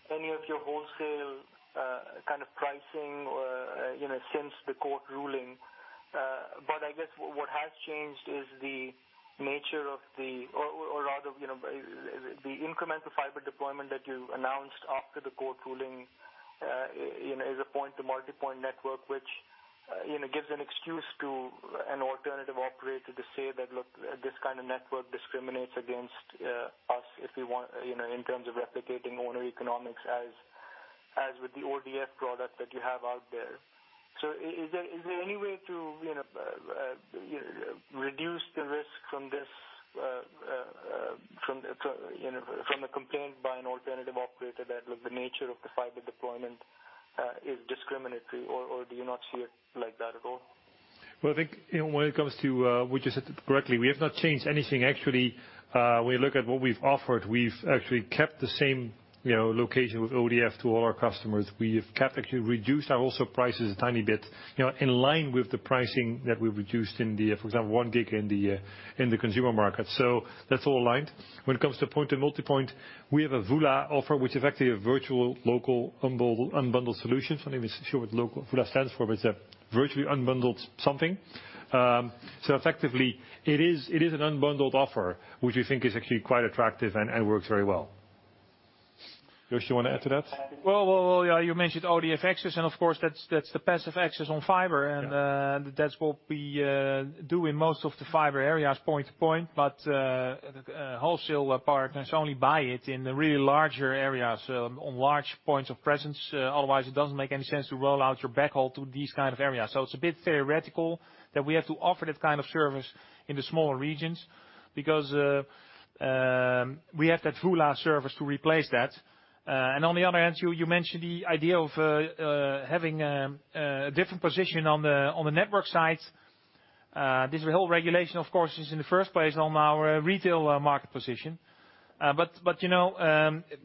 any of your wholesale kind of pricing since the court ruling. I guess what has changed is the nature of the incremental fiber deployment that you announced after the court ruling, is a point to multipoint network, which gives an excuse to an alternative operator to say that, Look, this kind of network discriminates against us in terms of replicating owner economics as with the ODF product that you have out there. Is there any way to reduce the risk from a complaint by an alternative operator that look, the nature of the fiber deployment is discriminatory, or do you not see it like that at all? Well, I think when it comes to, which you said it correctly, we have not changed anything. Actually, when you look at what we've offered, we've actually kept the same location with ODF to all our customers. We have actually reduced our wholesale prices a tiny bit, in line with the pricing that we reduced in the, for example, 1 gig in the consumer market. That's all aligned. When it comes to point to multipoint, we have a VULA offer, which is actually a virtual local unbundled solution. I'm not even sure what VULA stands for, but it's a virtually unbundled something. Effectively, it is an unbundled offer, which we think is actually quite attractive and works very well. Joost, you want to add to that? Well, you mentioned ODF access, and of course, that's the passive access on fiber. That's what we do in most of the fiber areas, point to point, but wholesale partners only buy it in the really larger areas on large points of presence. Otherwise, it doesn't make any sense to roll out your backhaul to these kind of areas. It's a bit theoretical that we have to offer that kind of service in the smaller regions, because we have that VULA service to replace that. On the other hand, you mentioned the idea of having a different position on the network side. This whole regulation, of course, is in the first place on our retail market position.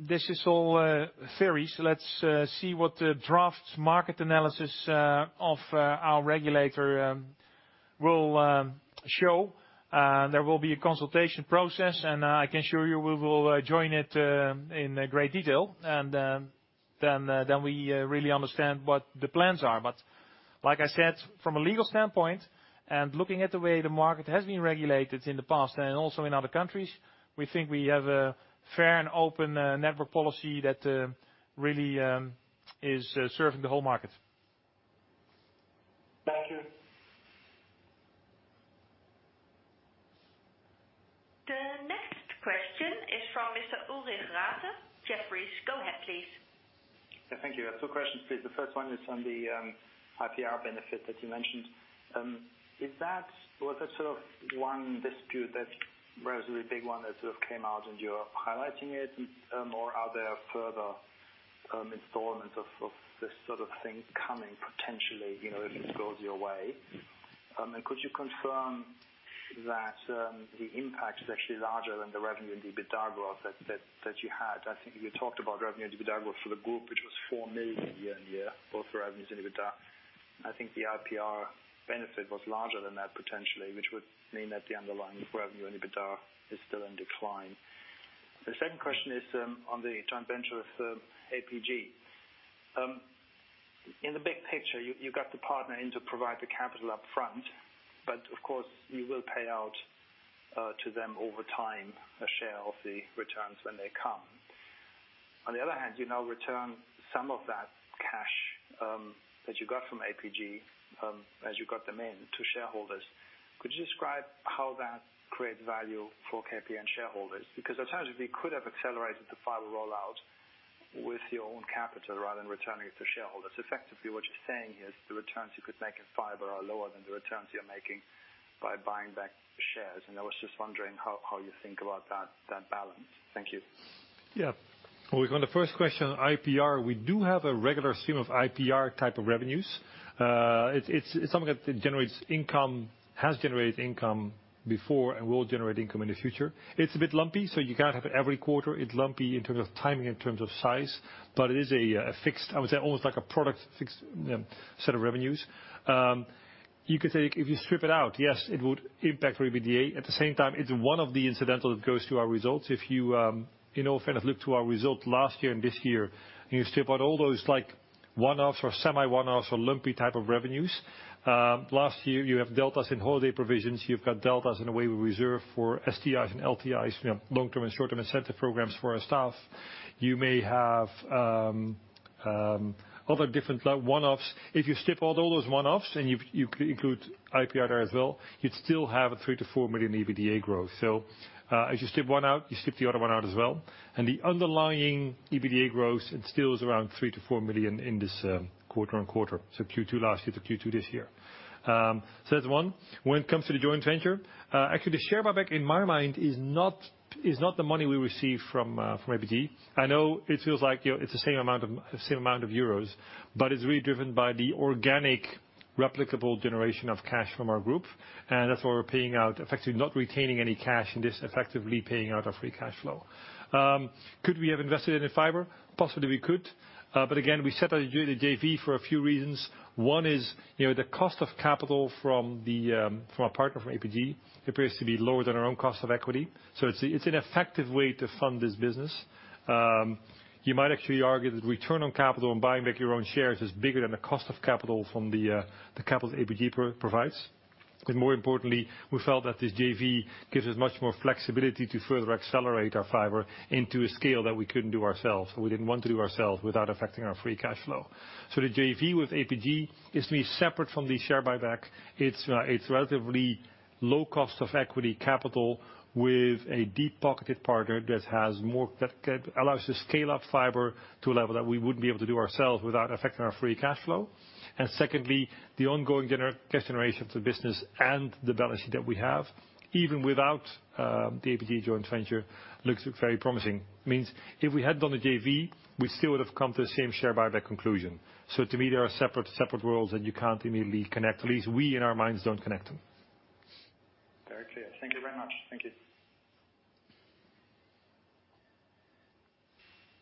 This is all theory, so let's see what the draft market analysis of our regulator will show. There will be a consultation process. I can assure you we will join it in great detail. We really understand what the plans are. Like I said, from a legal standpoint, and looking at the way the market has been regulated in the past and also in other countries, we think we have a fair and open network policy that really is serving the whole market. Thank you. The next question is from Mr. Ulrich Rathe, Jefferies. Go ahead, please. Yeah, thank you. Two questions, please. The first one is on the IPR benefit that you mentioned. Was that one dispute that, relatively big one that came out and you are highlighting it, or are there further installments of this sort of thing coming potentially, if it goes your way? Could you confirm that the impact is actually larger than the revenue and EBITDA growth that you had? I think you talked about revenue and EBITDA growth for the group, which was 4 million year-on-year, both revenues and EBITDA. I think the IPR benefit was larger than that, potentially, which would mean that the underlying revenue and EBITDA is still in decline. The second question is on the joint venture with APG. In the big picture, you got the partner in to provide the capital up front, but of course, you will pay out to them over time, a share of the returns when they come. On the other hand, you now return some of that cash that you got from APG, as you got them in to shareholders. Could you describe how that creates value for KPN shareholders? It sounds as if you could have accelerated the fiber rollout with your own capital rather than returning it to shareholders. Effectively, what you're saying is the returns you could make in fiber are lower than the returns you're making by buying back shares. I was just wondering how you think about that balance. Thank you. Yeah. On the first question, IPR, we do have a regular stream of IPR type of revenues. It's something that generates income, has generated income before, and will generate income in the future. It's a bit lumpy, so you can't have it every quarter. It's lumpy in terms of timing, in terms of size, but it is a fixed, I would say almost like a product fixed set of revenues. You could say if you strip it out, yes, it would impact EBITDA. At the same time, it's one of the incidental that goes to our results. If you look to our result last year and this year, and you strip out all those like one-offs or semi one-offs or lumpy type of revenues. Last year, you have deltas in holiday provisions. You've got deltas in the way we reserve for STI and LTI, long-term and short-term incentive programs for our staff. You may have other different one-offs. If you strip out all those one-offs and you include IPR there as well, you'd still have a 3 million-4 million EBITDA growth. As you strip one out, you strip the other one out as well, and the underlying EBITDA growth, it still is around 3 million-4 million in this quarter-on-quarter. Q2 last year to Q2 this year. That's one. When it comes to the joint venture, actually the share buyback in my mind is not the money we receive from APG. I know it feels like it's the same amount of euros, it's really driven by the organic replicable generation of cash from our group. That's why we're paying out, effectively not retaining any cash in this, effectively paying out our free cash flow. Could we have invested in the fiber? Possibly we could. Again, we set out to do the JV for a few reasons. One is, the cost of capital from our partner, from APG, appears to be lower than our own cost of equity. It's an effective way to fund this business. You might actually argue that return on capital and buying back your own shares is bigger than the cost of capital from the capital APG provides. More importantly, we felt that this JV gives us much more flexibility to further accelerate our fiber into a scale that we couldn't do ourselves, or we didn't want to do ourselves without affecting our free cash flow. The JV with APG is to be separate from the share buyback. It's relatively low cost of equity capital with a deep-pocketed partner that allows to scale up fiber to a level that we wouldn't be able to do ourselves without affecting our free cash flow. Secondly, the ongoing cash generation of the business and the balance sheet that we have, even without the APG joint venture, looks very promising. Means if we hadn't done the JV, we still would've come to the same share buyback conclusion. To me, they are separate worlds, and you can't immediately connect. At least we, in our minds, don't connect them. Very clear. Thank you very much. Thank you.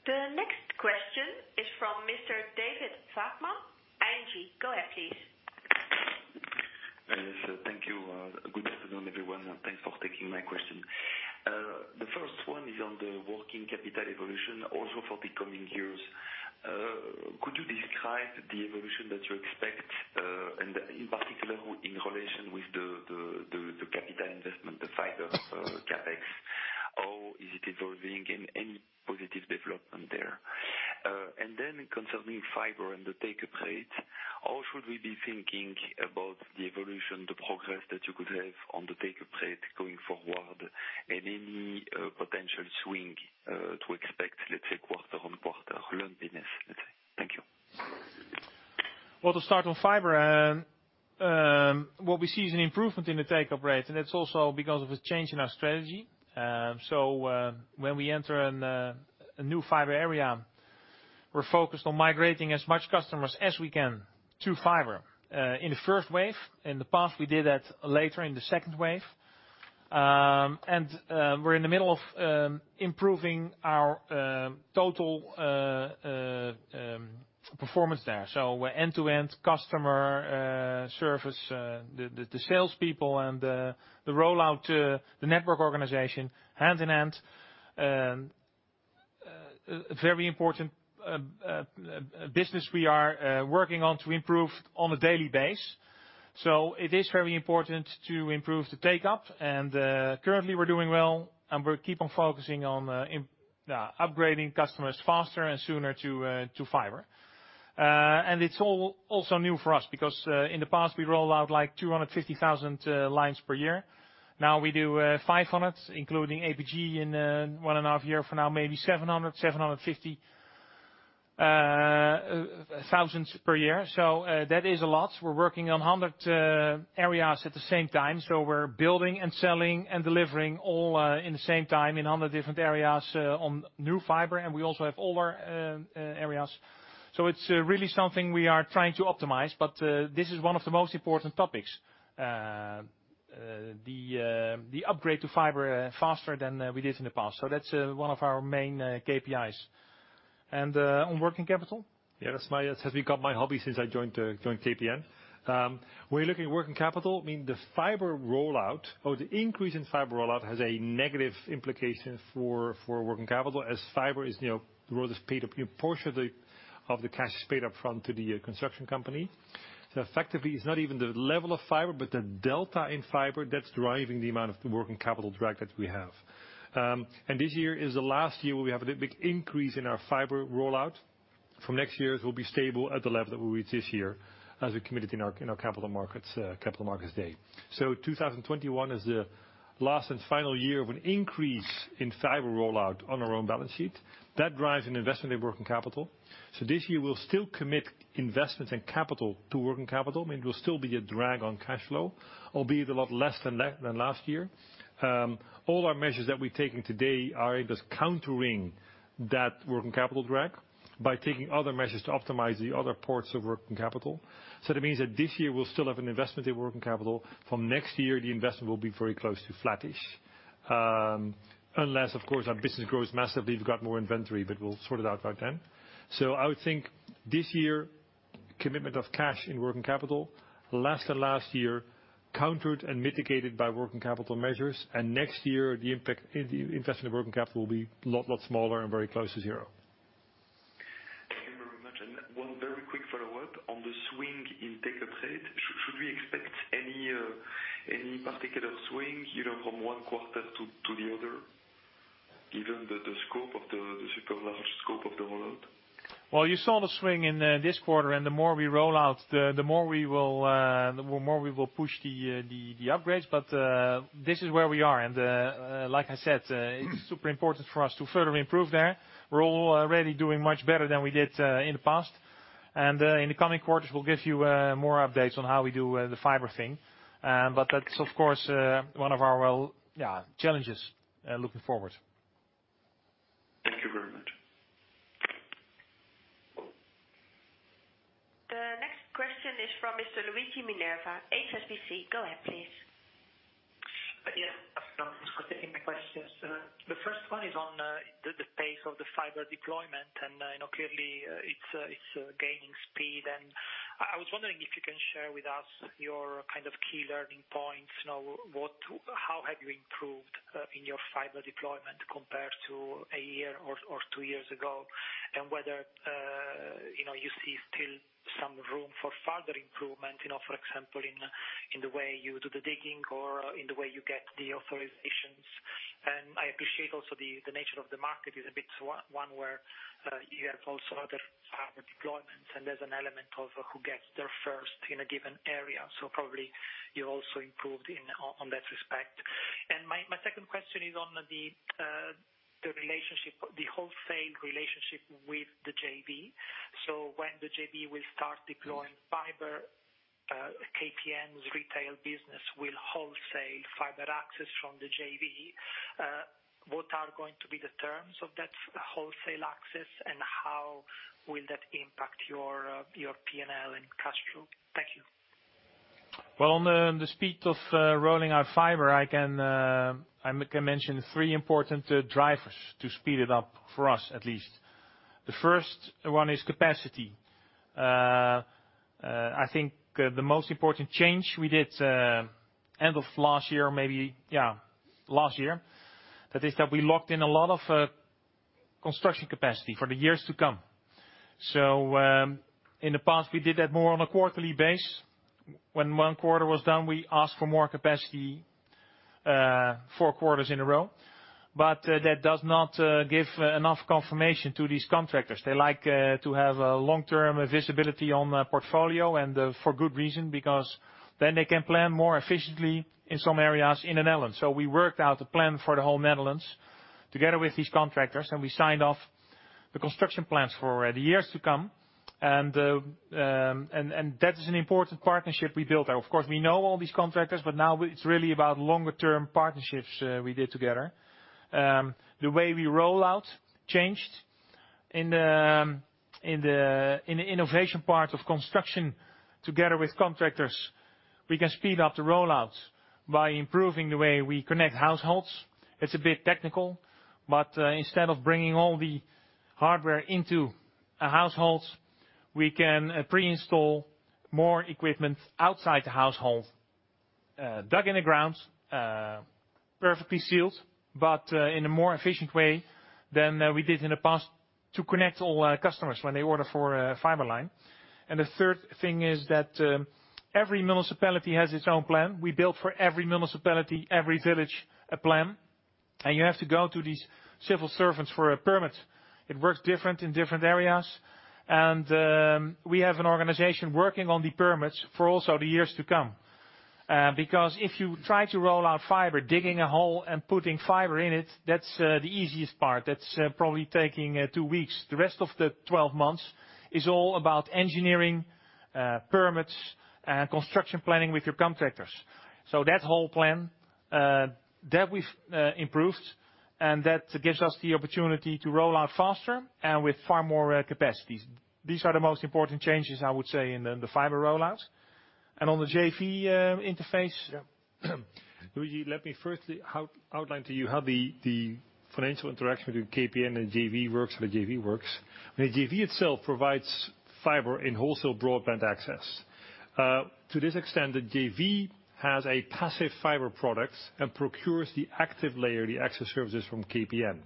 The next question is from Mr. David Vagman, ING. Go ahead, please. Yes, thank you. Good afternoon, everyone, and thanks for taking my question. The first one is on the working capital evolution also for the coming years. Could you describe the evolution that you expect, and in particular, in relation with the capital investment, the fiber CapEx? How is it evolving, and any positive development there? Then concerning fiber and the take-up rate, how should we be thinking about the evolution, the progress that you could have on the take-up rate going forward and any potential swing to expect, let's say, quarter-on-quarter lumpiness let's say. Thank you. Well, to start on fiber. What we see is an improvement in the take-up rate, and it's also because of a change in our strategy. When we enter a new fiber area, we're focused on migrating as much customers as we can to fiber. In the first wave, in the past, we did that later in the second wave. We're in the middle of improving our total performance there. End-to-end customer service, the salespeople and the rollout, the network organization, hand in hand. Very important business we are working on to improve on a daily base. It is very important to improve the take-up, and currently, we're doing well, and we'll keep on focusing on upgrading customers faster and sooner to fiber. It's all also new for us because in the past we rolled out 250,000 lines per year. We do 500,000, including APG in 1.5 years from now, maybe 700,000-750,000 per year. That is a lot. We're working on 100 areas at the same time. We're building and selling and delivering all in the same time in 100 different areas on new fiber, and we also have older areas. It's really something we are trying to optimize. This is one of the most important topics. The upgrade to fiber faster than we did in the past. That's one of our main KPIs. On working capital? Yeah. That has become my hobby since I joined KPN. When you're looking at working capital, the fiber rollout or the increase in fiber rollout has a negative implication for working capital as the portion of the cash is paid up front to the construction company. Effectively, it's not even the level of fiber, but the delta in fiber that's driving the amount of the working capital drag that we have. This year is the last year where we have a big increase in our fiber rollout. From next year, it will be stable at the level that we reach this year as we committed in our capital markets day. 2021 is the last and final year of an increase in fiber rollout on our own balance sheet. That drives an investment in working capital. This year, we'll still commit investments and capital to working capital, I mean, it will still be a drag on cash flow, albeit a lot less than last year. All our measures that we're taking today are countering that working capital drag by taking other measures to optimize the other parts of working capital. That means that this year we'll still have an investment in working capital. From next year, the investment will be very close to flattish. Unless, of course, our business grows massively, we've got more inventory, but we'll sort it out by then. I would think this year commitment of cash in working capital less than last year, countered and mitigated by working capital measures. Next year, the investment in working capital will be a lot smaller and very close to zero. Thank you very much. One very quick follow-up on the swing in take-up rate. Should we expect any particular swing from one quarter to the other, given the super large scope of the rollout? You saw the swing in this quarter, and the more we roll out, the more we will push the upgrades. This is where we are. Like I said, it's super important for us to further improve there. We're already doing much better than we did in the past. In the coming quarters, we'll give you more updates on how we do the fiber thing. That's, of course, one of our challenges looking forward. Thank you very much. The next question is from Mr. Luigi Minerva, HSBC. Go ahead, please. Yes. Thank you for taking my questions. The first one is on the pace of the fiber deployment, and clearly it's gaining speed and I was wondering if you can share with us your key learning points. How have you improved in your fiber deployment compared to a year or two years ago? Whether you see still some room for further improvement, for example, in the way you do the digging or in the way you get the authorizations. I appreciate also the nature of the market is a bit one where you have also other fiber deployments, and there's an element of who gets there first in a given area. Probably you also improved on that respect. My second question is on the wholesale relationship with the JV. When the JV will start deploying fiber, KPN's retail business will wholesale fiber access from the JV. What are going to be the terms of that wholesale access, and how will that impact your P&L and cash flow? Thank you. On the speed of rolling out fiber, I can mention three important drivers to speed it up, for us at least. The first one is capacity. I think the most important change we did end of last year, that is that we locked in a lot of construction capacity for the years to come. In the past, we did that more on a quarterly base. When one quarter was done, we asked for more capacity four quarters in a row. That does not give enough confirmation to these contractors. They like to have a long-term visibility on portfolio, and for good reason, because then they can plan more efficiently in some areas in the Netherlands. We worked out a plan for the whole Netherlands together with these contractors, and we signed off the construction plans for the years to come. That is an important partnership we built there. Of course, we know all these contractors, but now it is really about longer term partnerships we did together. The way we roll out changed. In the innovation part of construction together with contractors, we can speed up the rollouts by improving the way we connect households. It is a bit technical, but instead of bringing all the hardware into households, we can pre-install more equipment outside the household, dug in the ground, perfectly sealed, but in a more efficient way than we did in the past to connect all our customers when they order for a fiber line. The third thing is that every municipality has its own plan. We built for every municipality, every village, a plan. You have to go to these civil servants for a permit. It works different in different areas. We have an organization working on the permits for also the years to come. If you try to roll out fiber, digging a hole and putting fiber in it, that's the easiest part. That's probably taking two weeks. The rest of the 12 months is all about engineering, permits, and construction planning with your contractors. That whole plan, that we've improved, and that gives us the opportunity to roll out faster and with far more capacities. These are the most important changes, I would say, in the fiber rollouts. On the JV interface. Luigi, let me first outline to you how the financial interaction between KPN and the JV works. The JV itself provides fiber in wholesale broadband access. To this extent, the JV has a passive fiber product and procures the active layer, the access services from KPN.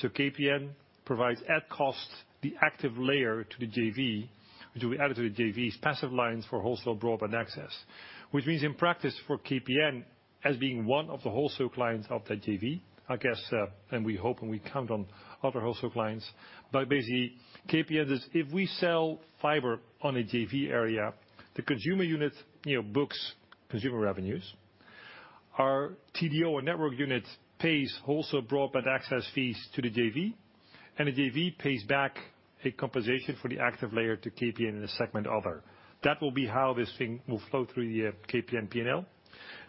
KPN provides at cost the active layer to the JV, which will be added to the JV's passive lines for wholesale broadband access. In practice for KPN as being one of the wholesale clients of that JV, I guess, and we hope, and we count on other wholesale clients. Basically, KPN is, if we sell fiber on a JV area, the consumer unit books consumer revenues. Our TDO or network unit pays wholesale broadband access fees to the JV, and the JV pays back a compensation for the active layer to KPN in the segment other. That will be how this thing will flow through the KPN P&L.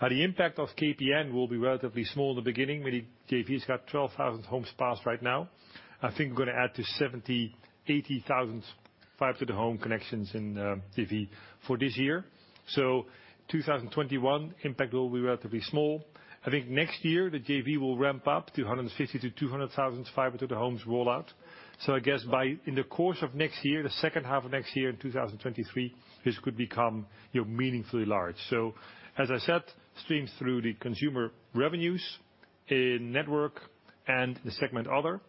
Now, the impact of KPN will be relatively small in the beginning, meaning JV's got 12,000 homes passed right now. I think we're going to add to 70,000, 80,000 fiber to the home connections in the JV for this year. 2021 impact will be relatively small. I think next year the JV will ramp up to 150,000 to 200,000 fiber to the homes rollout. I guess in the course of next year, the second half of next year in 2023, this could become meaningfully large. As I said, streams through the consumer revenues in network and the segment other.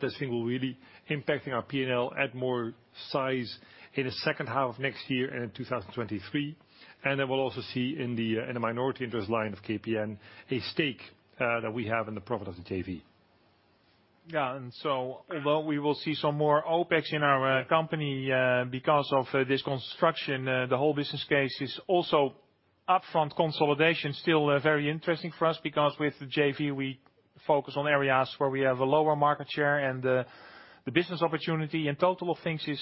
This thing will really impacting our P&L at more size in the second half of next year and in 2023. We'll also see in the minority interest line of KPN, a stake that we have in the profit of the JV. Yeah. Although we will see some more OpEx in our company because of this construction, the whole business case is also upfront consolidation, still very interesting for us because with the JV, we focus on areas where we have a lower market share and the business opportunity in total of things is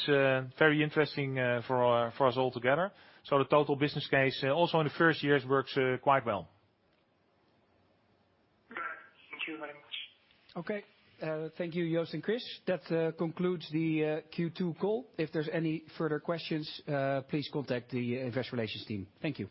very interesting for us all together. The total business case also in the first years works quite well. Thank you very much. Okay. Thank you, Joost and Chris. That concludes the Q2 call. If there's any further questions, please contact the investor relations team. Thank you.